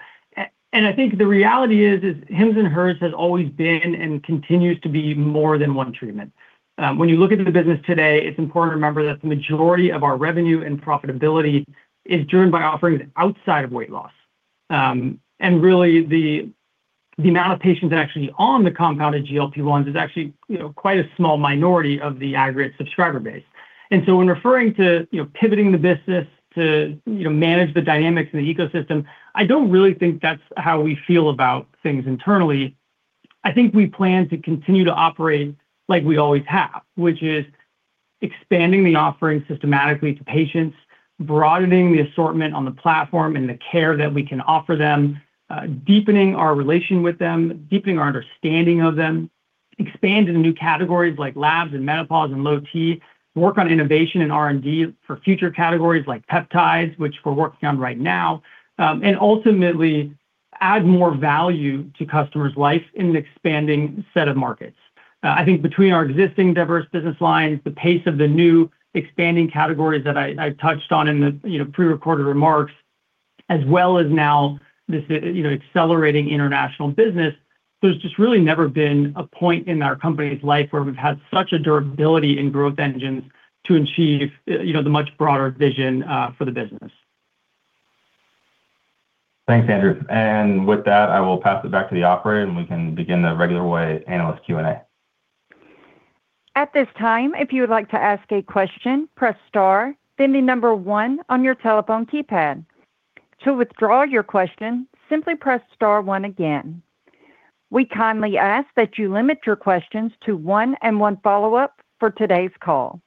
C: I think the reality is, is Hims & Hers has always been and continues to be more than one treatment. When you look into the business today, it's important to remember that the majority of our revenue and profitability is driven by offerings outside of weight loss. Really, the, the amount of patients that are actually on the compounded GLP-1s is actually, you know, quite a small minority of the aggregate subscriber base. So when referring to, you know, pivoting the business to, you know, manage the dynamics in the ecosystem, I don't really think that's how we feel about things internally. I think we plan to continue to operate like we always have, which is expanding the offering systematically to patients, broadening the assortment on the platform and the care that we can offer them, deepening our relation with them, deepening our understanding of them, expanding new categories like labs and menopause and low T, work on innovation and R&D for future categories like peptides, which we're working on right now, and ultimately add more value to customers' life in an expanding set of markets. I think between our existing diverse business lines, the pace of the new expanding categories that I, I touched on in the, you know, prerecorded remarks, as well as now this, you know, accelerating international business, there's just really never been a point in our company's life where we've had such a durability and growth engine to achieve, you know, the much broader vision for the business.
B: Thanks, Andrew. With that, I will pass it back to the operator, and we can begin the regular way analyst Q&A.
A: At this time, if you would like to ask a question, press star, then the number one on your telephone keypad. To withdraw your question, simply press star one again. We kindly ask that you limit your questions to 1 and 1 follow-up for today's call.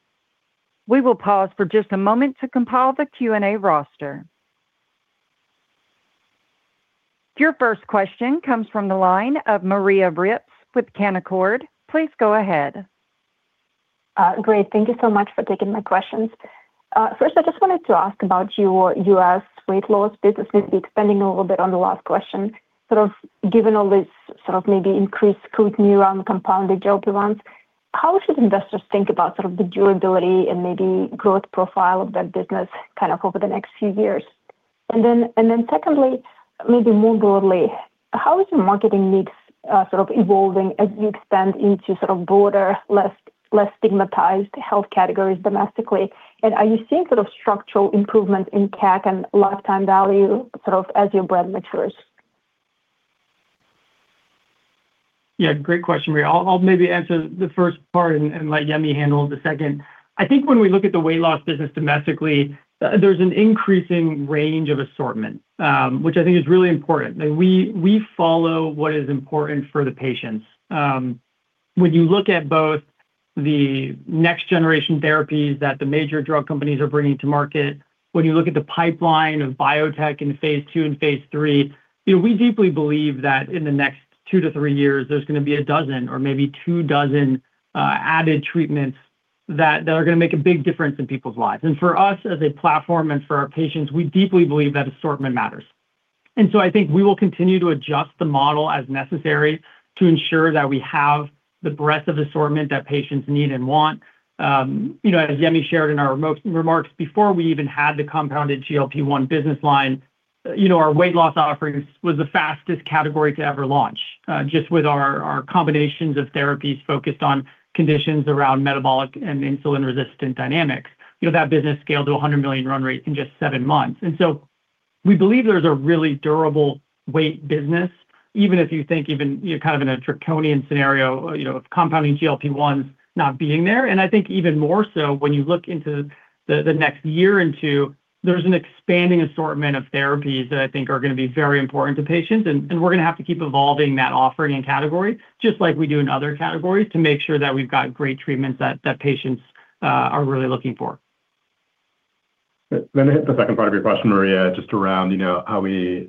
A: We will pause for just a moment to compile the Q&A roster. Your first question comes from the line of Maria Ripps with Canaccord. Please go ahead.
E: Great. Thank you so much for taking my questions. First, I just wanted to ask about your U.S. weight loss business, maybe expanding a little bit on the last question. Sort of given all this sort of maybe increased scrutiny around compounded GLP-1s, how should investors think about sort of the durability and maybe growth profile of that business kind of over the next few years? And then, and then secondly, maybe more broadly, how is your marketing mix, sort of evolving as you expand into sort of broader, less, less stigmatized health categories domestically? And are you seeing sort of structural improvement in CAC and lifetime value, sort of as your brand matures?
C: Yeah, great question, Maria. I'll, I'll maybe answer the first part and, and let Yemi handle the second. I think when we look at the weight loss business domestically, there's an increasing range of assortment, which I think is really important. We, we follow what is important for the patients. When you look at both the next generation therapies that the major drug companies are bringing to market, when you look at the pipeline of biotech in phase II and phase III, you know, we deeply believe that in the next 2 to 3 years, there's going to be 12 or maybe 24 added treatments that, that are going to make a big difference in people's lives. For us, as a platform and for our patients, we deeply believe that assortment matters. I think we will continue to adjust the model as necessary to ensure that we have the breadth of assortment that patients need and want. You know, as Yemi shared in our remarks before we even had the compounded GLP-1 business line, you know, our weight loss offerings was the fastest category to ever launch. Just with our, our combinations of therapies focused on conditions around metabolic and insulin-resistant dynamics. You know, that business scaled to a $100 million run rate in just 7 months. We believe there's a really durable weight business, even if you think even, you're kind of in a draconian scenario, you know, of compounding GLP-1s not being there. I think even more so when you look into the, the next year and two, there's an expanding assortment of therapies that I think are going to be very important to patients. We're going to have to keep evolving that offering and category, just like we do in other categories, to make sure that we've got great treatments that, that patients are really looking for.
D: Let me hit the second part of your question, Maria, just around, you know, how we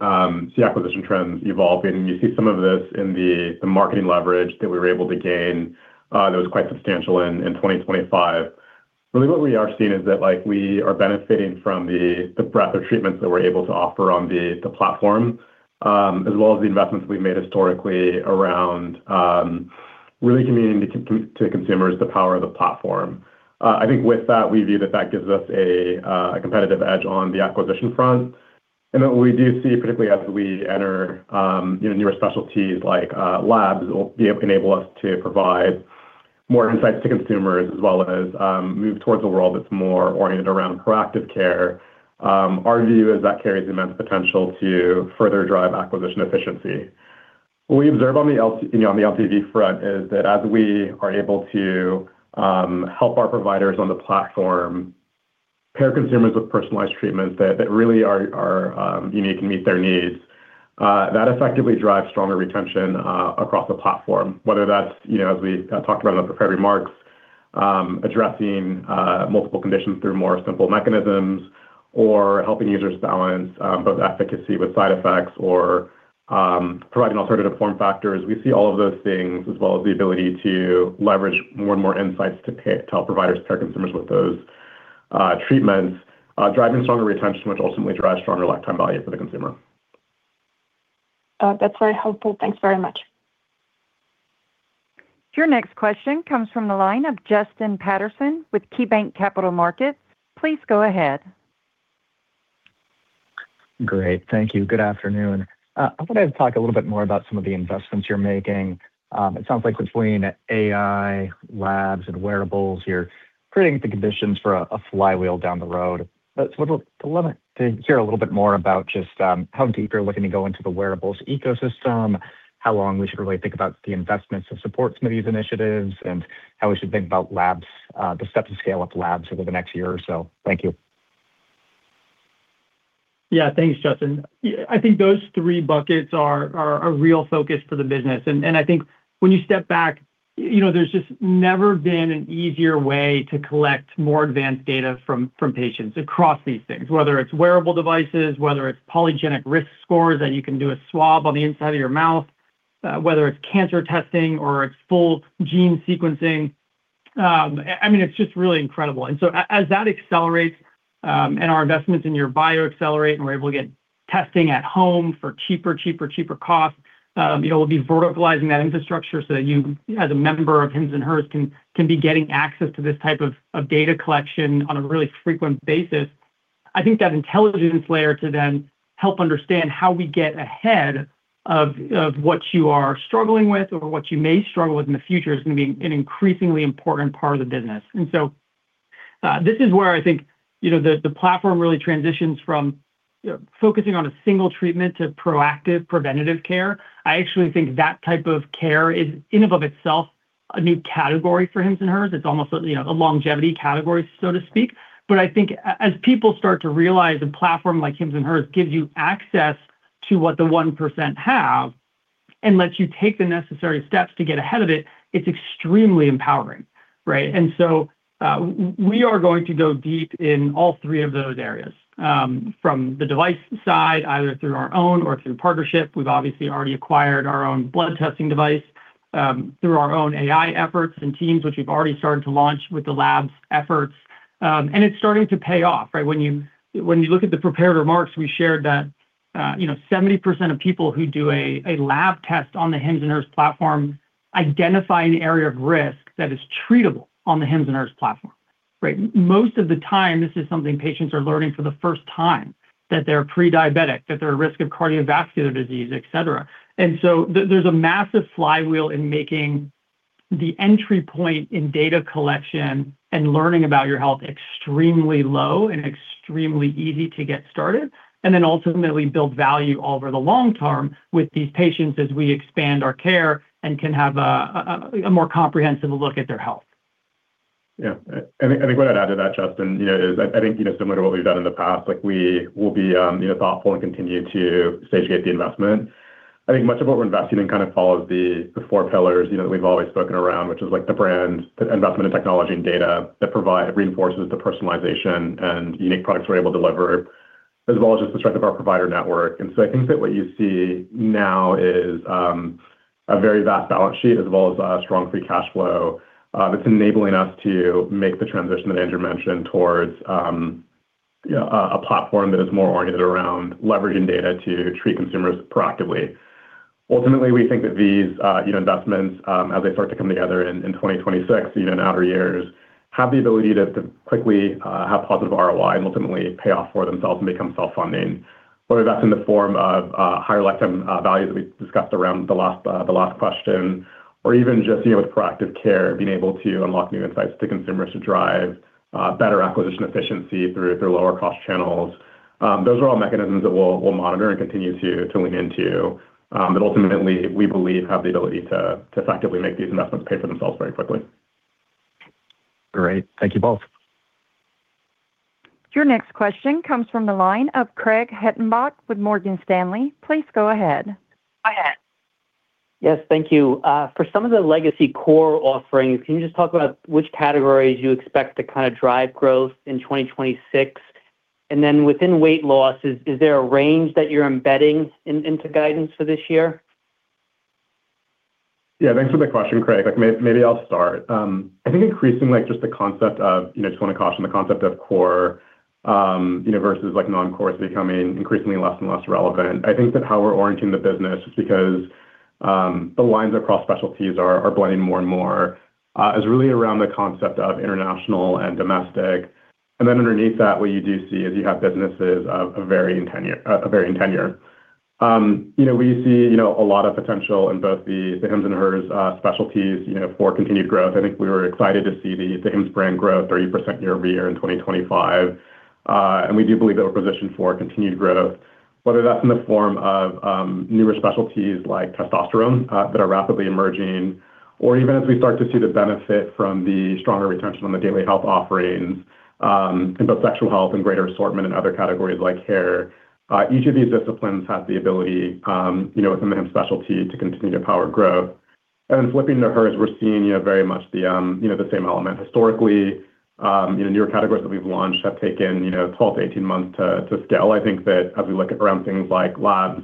D: see acquisition trends evolving. You see some of this in the, the marketing leverage that we were able to gain, that was quite substantial in, in 2025. Really, what we are seeing is that, like, we are benefiting from the, the breadth of treatments that we're able to offer on the, the platform, as well as the investments we've made historically around, really communicating to, to consumers the power of the platform. I think with that, we view that that gives us a, a competitive edge on the acquisition front... Then we do see, particularly as we enter, you know, newer specialties like labs, will be able to enable us to provide more insights to consumers, as well as move towards a world that's more oriented around proactive care. Our view is that carries immense potential to further drive acquisition efficiency. What we observe on the LTV front is that as we are able to help our providers on the platform, pair consumers with personalized treatments that, that really are, are unique and meet their needs, that effectively drives stronger retention across the platform. Whether that's, you know, as we talked about in the prepared remarks, addressing multiple conditions through more simple mechanisms or helping users balance both efficacy with side effects or providing alternative form factors. We see all of those things, as well as the ability to leverage more and more insights to help providers pair consumers with those, treatments, driving stronger retention, which ultimately drives stronger lifetime value for the consumer.
E: That's very helpful. Thanks very much.
A: Your next question comes from the line of Justin Patterson with KeyBanc Capital Markets. Please go ahead.
F: Great. Thank you. Good afternoon. I wanted to talk a little bit more about some of the investments you're making. It sounds like between AI, labs, and wearables, you're creating the conditions for a, a flywheel down the road. I'd love, I'd love to hear a little bit more about just how deep you're looking to go into the wearables ecosystem, how long we should really think about the investments that support some of these initiatives, and how we should think about labs, the steps to scale up labs over the next year or so. Thank you.
C: Yeah. Thanks, Justin. Yeah, I think those three buckets are, are a real focus for the business. And I think when you step back, you know, there's just never been an easier way to collect more advanced data from, from patients across these things, whether it's wearable devices, whether it's polygenic risk scores, that you can do a swab on the inside of your mouth, whether it's cancer testing or it's full gene sequencing. I mean, it's just really incredible. So as that accelerates, and our investments in YourBio accelerate, and we're able to get testing at home for cheaper, cheaper, cheaper costs, you know, we'll be verticalizing that infrastructure so that you, as a member of Hims & Hers, can, can be getting access to this type of, of data collection on a really frequent basis. I think that intelligence layer to then help understand how we get ahead of, of what you are struggling with or what you may struggle with in the future, is gonna be an increasingly important part of the business. So, this is where I think, you know, the, the platform really transitions from, you know, focusing on a single treatment to proactive preventative care. I actually think that type of care is, in and of itself, a new category for Hims & Hers. It's almost like, you know, a longevity category, so to speak. I think as people start to realize a platform like Hims & Hers gives you access to what the 1% have and lets you take the necessary steps to get ahead of it, it's extremely empowering, right? We are going to go deep in all three of those areas. From the device side, either through our own or through partnership. We've obviously already acquired our own blood testing device, through our own AI efforts and teams, which we've already started to launch with the labs efforts. It's starting to pay off, right? When you, when you look at the prepared remarks, we shared that, you know, 70% of people who do a lab test on the Hims & Hers platform identify an area of risk that is treatable on the Hims & Hers platform, right? Most of the time, this is something patients are learning for the first time, that they're pre-diabetic, that they're at risk of cardiovascular disease, et cetera. There, there's a massive flywheel in making the entry point in data collection and learning about your health extremely low and extremely easy to get started, and then ultimately build value over the long term with these patients as we expand our care and can have a, a, a more comprehensive look at their health.
D: Yeah. I think, I think what I'd add to that, Justin, you know, is I, I think, you know, similar to what we've done in the past, like we will be, you know, thoughtful and continue to stage gate the investment. I think much of what we're investing in kind of follows the, the four pillars, you know, that we've always spoken around, which is like the brand, the investment in technology and data that provide... reinforces the personalization and unique products we're able to deliver, as well as just the strength of our provider network. So I think that what you see now is a very vast balance sheet, as well as a strong free cash flow, that's enabling us to make the transition that Andrew mentioned towards a platform that is more oriented around leveraging data to treat consumers proactively. Ultimately, we think that these, you know, investments, as they start to come together in 2026, even outer years, have the ability to quickly have positive ROI and ultimately pay off for themselves and become self-funding. Whether that's in the form of higher lifetime values that we discussed around the last, the last question, or even just, you know, with proactive care, being able to unlock new insights to consumers to drive better acquisition efficiency through lower cost channels. Those are all mechanisms that we'll monitor and continue to lean into, but ultimately, we believe have the ability to effectively make these investments pay for themselves very quickly.
F: Great. Thank you both.
A: Your next question comes from the line of Craig Hettenbach with Morgan Stanley. Please go ahead. Go ahead.
G: Yes, thank you. For some of the legacy core offerings, can you just talk about which categories you expect to kind of drive growth in 2026? Then within weight loss, is there a range that you're embedding into guidance for this year?
D: Yeah, thanks for the question, Craig. Like, maybe I'll start. I think increasingly, just the concept of, you know, just want to caution the concept of core, you know, versus like non-core is becoming increasingly less and less relevant. I think that how we're orienting the business is because the lines across specialties are, are blending more and more, is really around the concept of international and domestic. Then underneath that, what you do see is you have businesses of a varying tenure, a varying tenure. You know, we see, you know, a lot of potential in both the, the Hims and Hers, specialties, you know, for continued growth. I think we were excited to see the, the Hims brand grow 30% year over year in 2025. We do believe that we're positioned for continued growth, whether that's in the form of newer specialties like testosterone that are rapidly emerging, or even as we start to see the benefit from the stronger retention on the daily health offerings in both sexual health and greater assortment in other categories like hair. Each of these disciplines has the ability, you know, with the Hims specialty, to continue to power growth. Then flipping to Hers, we're seeing, you know, very much the, you know, the same element. Historically, you know, newer categories that we've launched have taken, you know, 12 to 18 months to scale. I think that as we look at around things like labs,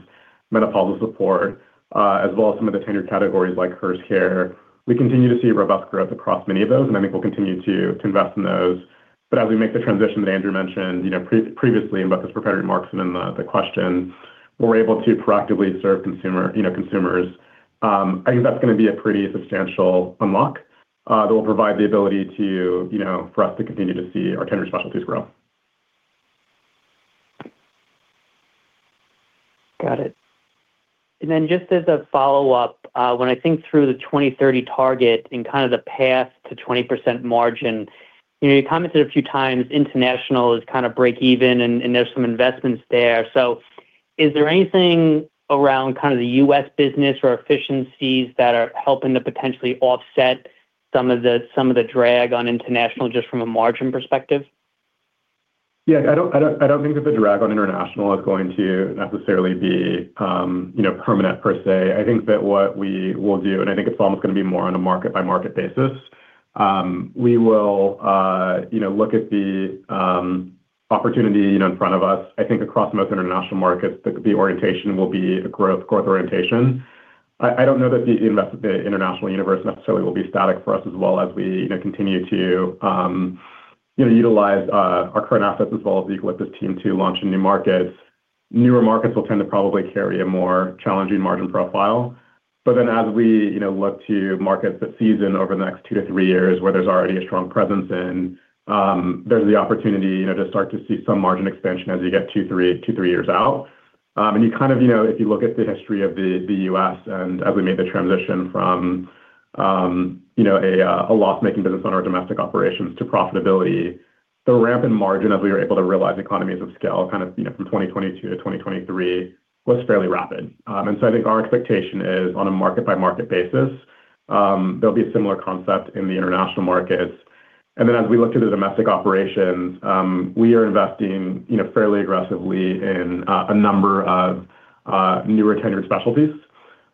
D: menopausal support, as well as some of the tenured categories like Hers care, we continue to see robust growth across many of those, and I think we'll continue to, to invest in those. As we make the transition that Andrew mentioned, you know, previously, and about this proprietary marks and then the, the question, we're able to proactively serve consumer, you know, consumers. I think that's gonna be a pretty substantial unlock, that will provide the ability to, you know, for us to continue to see our tenured specialties grow.
G: Got it. Then just as a follow-up, when I think through the 2030 target and kind of the path to 20% margin, you know, you commented a few times, international is kind of break even, and there's some investments there. Is there anything around kind of the U.S. business or efficiencies that are helping to potentially offset some of the, some of the drag on international, just from a margin perspective?
D: Yeah. I don't, I don't, I don't think that the drag on international is going to necessarily be, you know, permanent per se. I think that what we will do, and I think it's almost gonna be more on a market by market basis, we will, you know, look at the opportunity, you know, in front of us. I think across most international markets, the orientation will be a growth, growth orientation. I, I don't know that the international universe necessarily will be static for us as well as we, you know, continue to, you know, utilize our current assets as well as the Eucalyptus team to launch new markets. Newer markets will tend to probably carry a more challenging margin profile. As we, you know, look to markets that season over the next 2 to 3 years, where there's already a strong presence in, there's the opportunity, you know, to start to see some margin expansion as you get 2, 3 to 3 years out. You kind of, you know, if you look at the history of the, the U.S, and as we made the transition from, you know, a loss-making business on our domestic operations to profitability, the ramp in margin as we were able to realize economies of scale, kind of, you know, from 2022 to 2023 was fairly rapid. I think our expectation is on a market by market basis, there'll be a similar concept in the international markets. Then as we look to the domestic operations, we are investing, you know, fairly aggressively in a, a number of newer tenured specialties.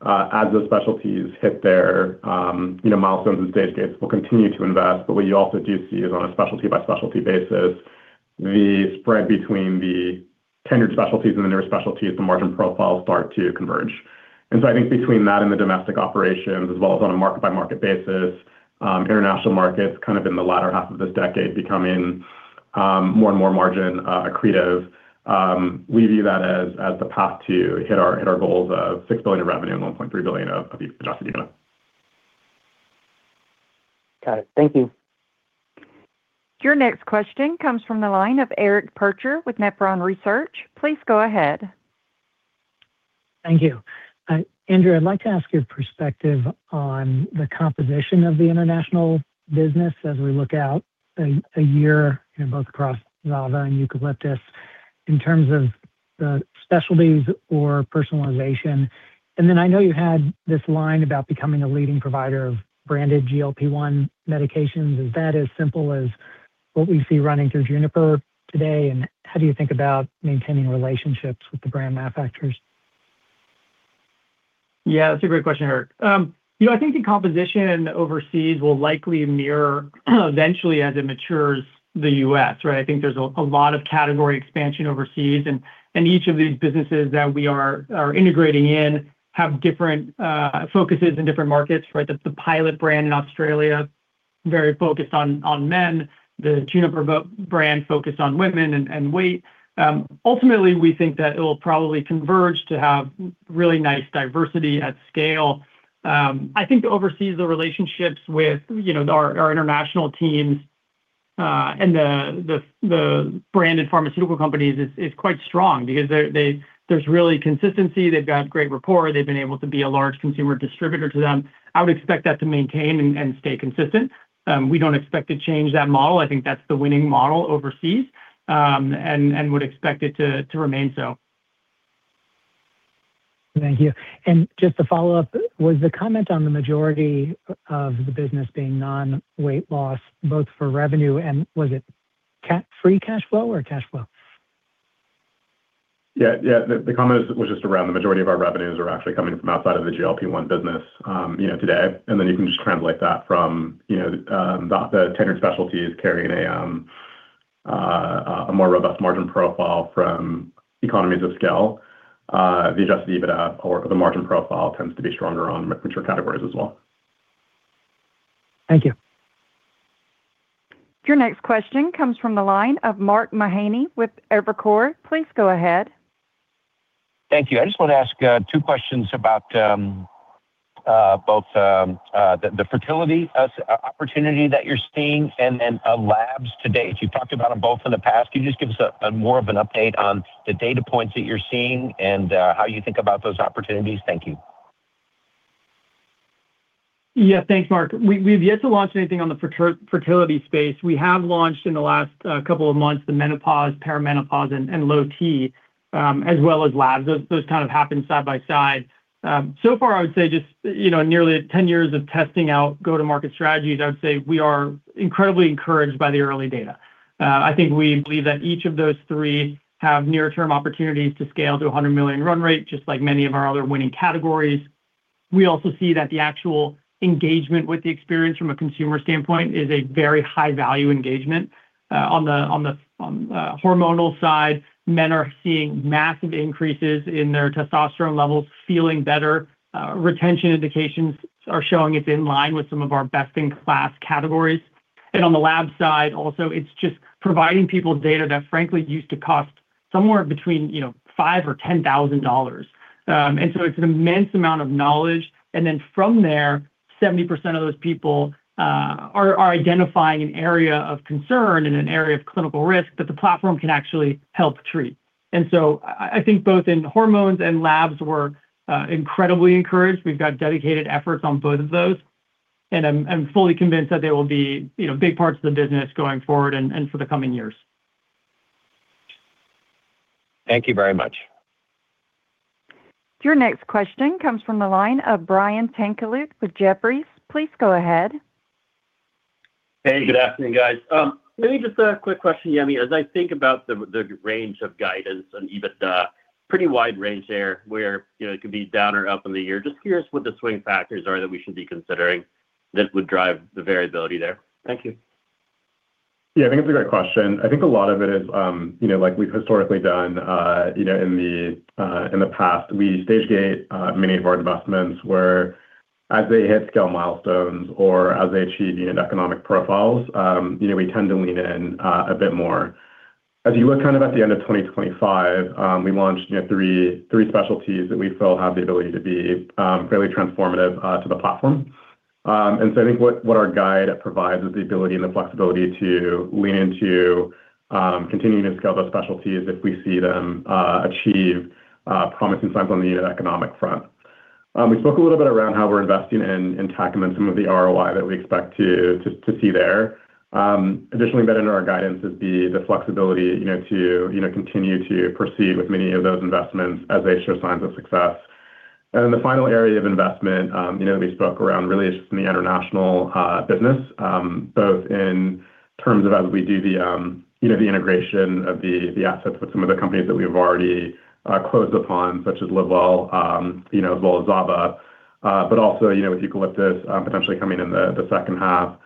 D: As the specialties hit their, you know, milestones and stage gates, we'll continue to invest. What you also do see is on a specialty by specialty basis, the spread between the tenured specialties and the newer specialties, the margin profiles start to converge. So I think between that and the domestic operations as well as on a market-by-market basis, international markets, kind of in the latter half of this decade, becoming more and more margin accretive. We view that as, as the path to hit our, hit our goals of $6 billion in revenue and $1.3 billion of, of Adjusted EBITDA.
G: Got it. Thank you.
A: Your next question comes from the line of Eric Percher with Nephron Research. Please go ahead.
H: Thank you. Andrew, I'd like to ask your perspective on the composition of the international business as we look out a year, you know, both across Zava and Eucalyptus, in terms of the specialties or personalization. Then I know you had this line about becoming a leading provider of branded GLP-1 medications. Is that as simple as what we see running through Juniper today? How do you think about maintaining relationships with the brand manufacturers?
C: Yeah, that's a great question, Eric. you know, I think the composition overseas will likely mirror, eventually, as it matures, the U.S., right? I think there's a lot of category expansion overseas, and each of these businesses that we are, are integrating in have different, focuses in different markets, right? The Pilot brand in Australia, very focused on, on men, the Juniper brand focused on women and, and weight. ultimately, we think that it will probably converge to have really nice diversity at scale. I think overseas, the relationships with, you know, our, our international teams, and the branded pharmaceutical companies is, is quite strong because there's really consistency, they've got great rapport, they've been able to be a large consumer distributor to them. I would expect that to maintain and, and stay consistent. We don't expect to change that model. I think that's the winning model overseas, and, and would expect it to, to remain so.
H: Thank you. Just to follow up, was the comment on the majority of the business being non-weight loss, both for revenue and was it free cash flow or cash flow?
D: Yeah, yeah. The, the comment was just around the majority of our revenues are actually coming from outside of the GLP-1 business, you know, today. You can just translate that from, you know, the tenured specialties carrying a more robust margin profile from economies of scale. The Adjusted EBITDA or the margin profile tends to be stronger on mature categories as well.
H: Thank you.
A: Your next question comes from the line of Mark Mahaney with Evercore. Please go ahead.
I: Thank you. I just want to ask two questions about both the fertility us opportunity that you're seeing and labs to date. You've talked about them both in the past. Can you just give us a more of an update on the data points that you're seeing and how you think about those opportunities? Thank you.
C: Yeah. Thanks, Mark. We've yet to launch anything on the fertility space. We have launched in the last couple of months, the menopause, perimenopause, and low T, as well as labs. Those kind of happen side by side. So far, I would say just, you know, nearly 10 years of testing out, go-to-market strategies, I would say we are incredibly encouraged by the early data. I think we believe that each of those three have near-term opportunities to scale to a $100 million run rate, just like many of our other winning categories. We also see that the actual engagement with the experience from a consumer standpoint is a very high-value engagement. On the hormonal side, men are seeing massive increases in their testosterone levels, feeling better. Retention indications are showing it's in line with some of our best-in-class categories. On the lab side, also, it's just providing people data that frankly used to cost somewhere between, you know, $5,000 or $10,000. It's an immense amount of knowledge, and then from there, 70% of those people are identifying an area of concern and an area of clinical risk that the platform can actually help treat. I, I think both in hormones and labs, we're incredibly encouraged. We've got dedicated efforts on both of those, and I'm, I'm fully convinced that they will be, you know, big parts of the business going forward and, and for the coming years.
I: Thank you very much.
A: Your next question comes from the line of Brian Tanquilut with Jefferies. Please go ahead.
J: Hey, good afternoon, guys. Maybe just a quick question, Yami. As I think about the, the range of guidance and even the pretty wide range there, where, you know, it could be down or up in the year, just curious what the swing factors are that we should be considering that would drive the variability there. Thank you.
D: Yeah, I think it's a great question. I think a lot of it is, you know, like we've historically done, you know, in the past. We stage gate, many of our investments where as they hit scale milestones or as they achieve unit economic profiles, you know, we tend to lean in, a bit more. As you look kind of at the end of 2025, we launched, you know, 3, 3 specialties that we feel have the ability to be, fairly transformative, to the platform. So I think what, what our guide provides is the ability and the flexibility to lean into, continuing to scale those specialties if we see them, achieve, promising signs on the unit economic front. We spoke a little bit around how we're investing in, in Tacimen, some of the ROI that we expect to, to, to see there. Additionally, embedded in our guidance is the, the flexibility, you know, to, you know, continue to proceed with many of those investments as they show signs of success. Then the final area of investment, you know, we spoke around really is just in the international business, both in terms of as we do the, you know, the integration of the, the assets with some of the companies that we have already closed upon, such as Livewell, you know, as well as Zava. Also, you know, with Eucalyptus, potentially coming in the second half,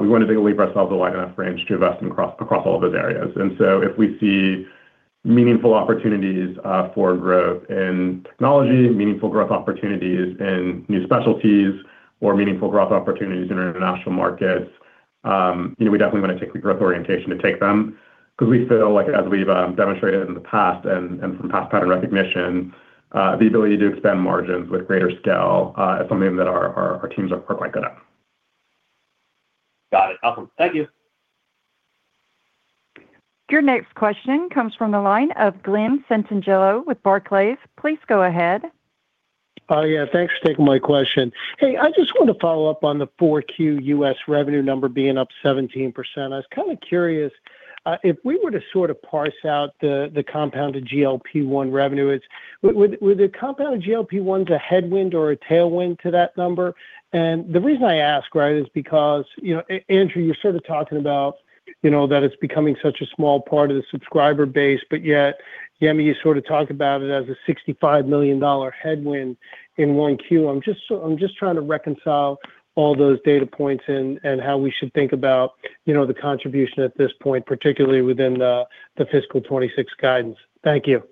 D: we want to take a leave ourselves a wide enough range to invest across, across all of those areas. If we see meaningful opportunities for growth in technology, meaningful growth opportunities in new specialties, or meaningful growth opportunities in international markets, you know, we definitely want to take the growth orientation to take them because we feel like, as we've demonstrated in the past and, and from past pattern recognition, the ability to expand margins with greater scale is something that our, our, our teams are quite good at.
J: Got it. Awesome. Thank you.
A: Your next question comes from the line of Glen Santangelo with Barclays. Please go ahead.
K: Yeah, thanks for taking my question. Hey, I just wanted to follow up on the 4Q US revenue number being up 17%. I was kind of curious if we were to sort of parse out the, the compounded GLP-1 revenue, the compounded GLP-1 is a headwind or a tailwind to that number? The reason I ask, right, is because, you know, Andrew, you're sort of talking about, you know, that it's becoming such a small part of the subscriber base, but yet, Yami, you sort of talked about it as a $65 million headwind in 1Q. I'm trying to reconcile all those data points and, and how we should think about, you know, the contribution at this point, particularly within the, the fiscal 2026 guidance. Thank you.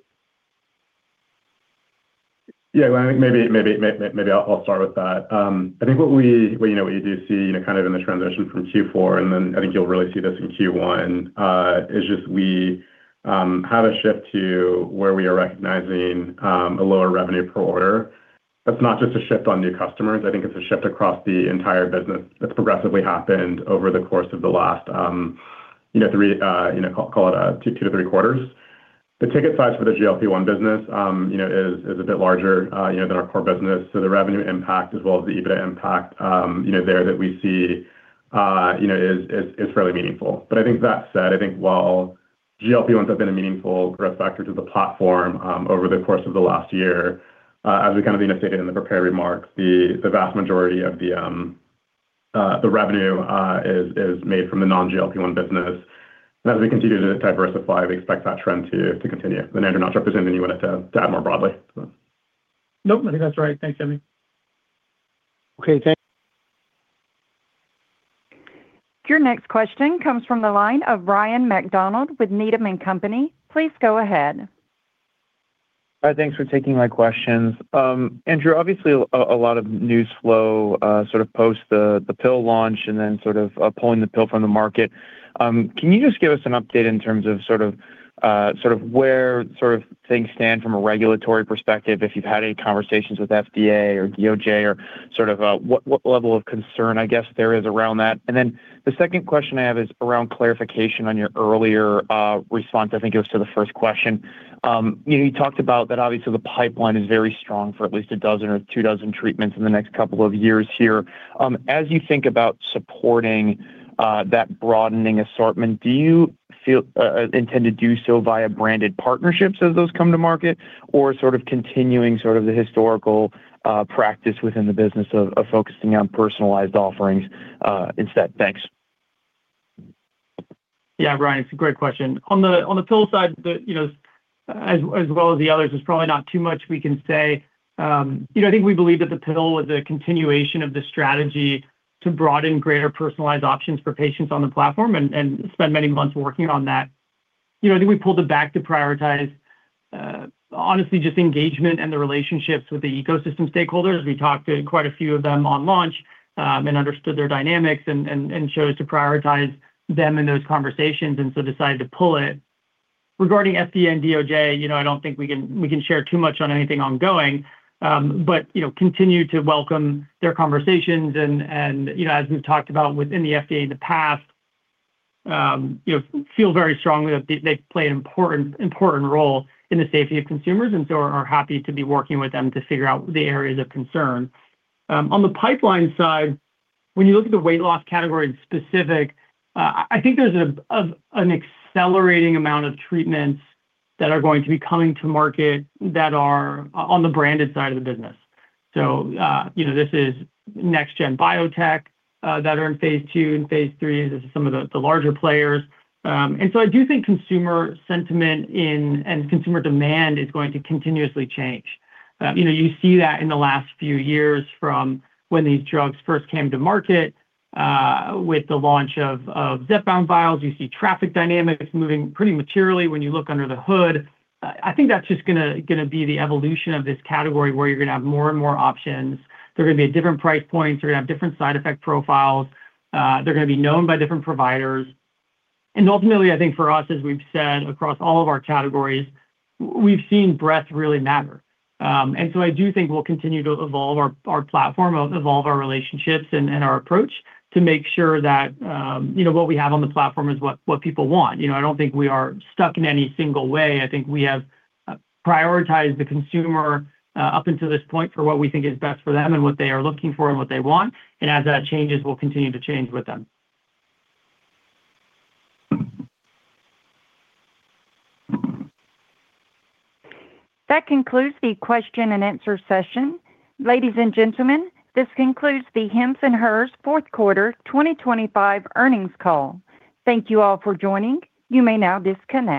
D: Glenn, maybe, maybe, maybe I'll start with that. Well, you know, what you do see, you know, kind of in the transition from Q4, and then I think you'll really see this in Q1, is just we have a shift to where we are recognizing a lower revenue per order. That's not just a shift on new customers. I think it's a shift across the entire business that's progressively happened over the course of the last, you know, 3, you know, call, call it, 2 to 3 quarters. The ticket size for the GLP-1 business, you know, is, is a bit larger, you know, than our core business, so the revenue impact as well as the EBITDA impact, you know, there that we see, you know, is, is, is fairly meaningful. I think that said, I think while GLP-1 has been a meaningful growth factor to the platform, over the course of the last year, as we kind of indicated in the prepared remarks, the vast majority of the revenue is made from the non-GLP-1 business. As we continue to diversify, we expect that trend to continue. Andrew, I'm not sure if there's anything you wanted to add more broadly.
C: Nope, I think that's right. Thanks, Yami.
K: Okay.
A: Your next question comes from the line of Ryan MacDonald with Needham & Company. Please go ahead.
L: Hi, thanks for taking my questions. Andrew, obviously, a lot of news flow post the pill launch and then pulling the pill from the market. Can you just give us an update in terms of where things stand from a regulatory perspective, if you've had any conversations with FDA or DOJ or what level of concern, I guess, there is around that? The second question I have is around clarification on your earlier response. I think it was to the first question. You know, you talked about that obviously the pipeline is very strong for at least 12 or 24 treatments in the next 2 years here. As you think about supporting that broadening assortment, do you feel intend to do so via branded partnerships as those come to market, or sort of continuing sort of the historical practice within the business of, of focusing on personalized offerings instead? Thanks.
C: Yeah, Brian, it's a great question. On the, on the pill side, the, you know, as, as well as the others, there's probably not too much we can say. You know, I think we believe that the pill was a continuation of the strategy to broaden greater personalized options for patients on the platform and, and spend many months working on that. You know, I think we pulled it back to prioritize, honestly, just engagement and the relationships with the ecosystem stakeholders. We talked to quite a few of them on launch, and understood their dynamics and, and, and chose to prioritize them in those conversations, and so decided to pull it. Regarding FDA and DOJ, you know, I don't think we can, we can share too much on anything ongoing, but, you know, continue to welcome their conversations and, and, you know, as we've talked about within the FDA in the past, you know, feel very strongly that they, they play an important, important role in the safety of consumers, and so are happy to be working with them to figure out the areas of concern. On the pipeline side, when you look at the weight loss category specific, I think there's a, an accelerating amount of treatments that are going to be coming to market that are on the branded side of the business. You know, this is next gen biotech, that are in phase II and phase III. This is some of the, the larger players. I do think consumer sentiment in, and consumer demand is going to continuously change. You know, you see that in the last few years from when these drugs first came to market, with the launch of, of Zepbound vials. You see traffic dynamics moving pretty materially when you look under the hood. I, I think that's just gonna, gonna be the evolution of this category, where you're gonna have more and more options. They're gonna be at different price points. They're gonna have different side effect profiles. They're gonna be known by different providers. I think for us, as we've said across all of our categories, we've seen breadth really matter. I do think we'll continue to evolve our, our platform, evolve our relationships and, and our approach to make sure that, you know, what we have on the platform is what, what people want. You know, I don't think we are stuck in any single way. I think we have prioritized the consumer up until this point for what we think is best for them and what they are looking for and what they want. As that changes, we'll continue to change with them.
A: That concludes the question and answer session. Ladies and gentlemen, this concludes the Hims & Hers fourth quarter 2025 earnings call. Thank you all for joining. You may now disconnect.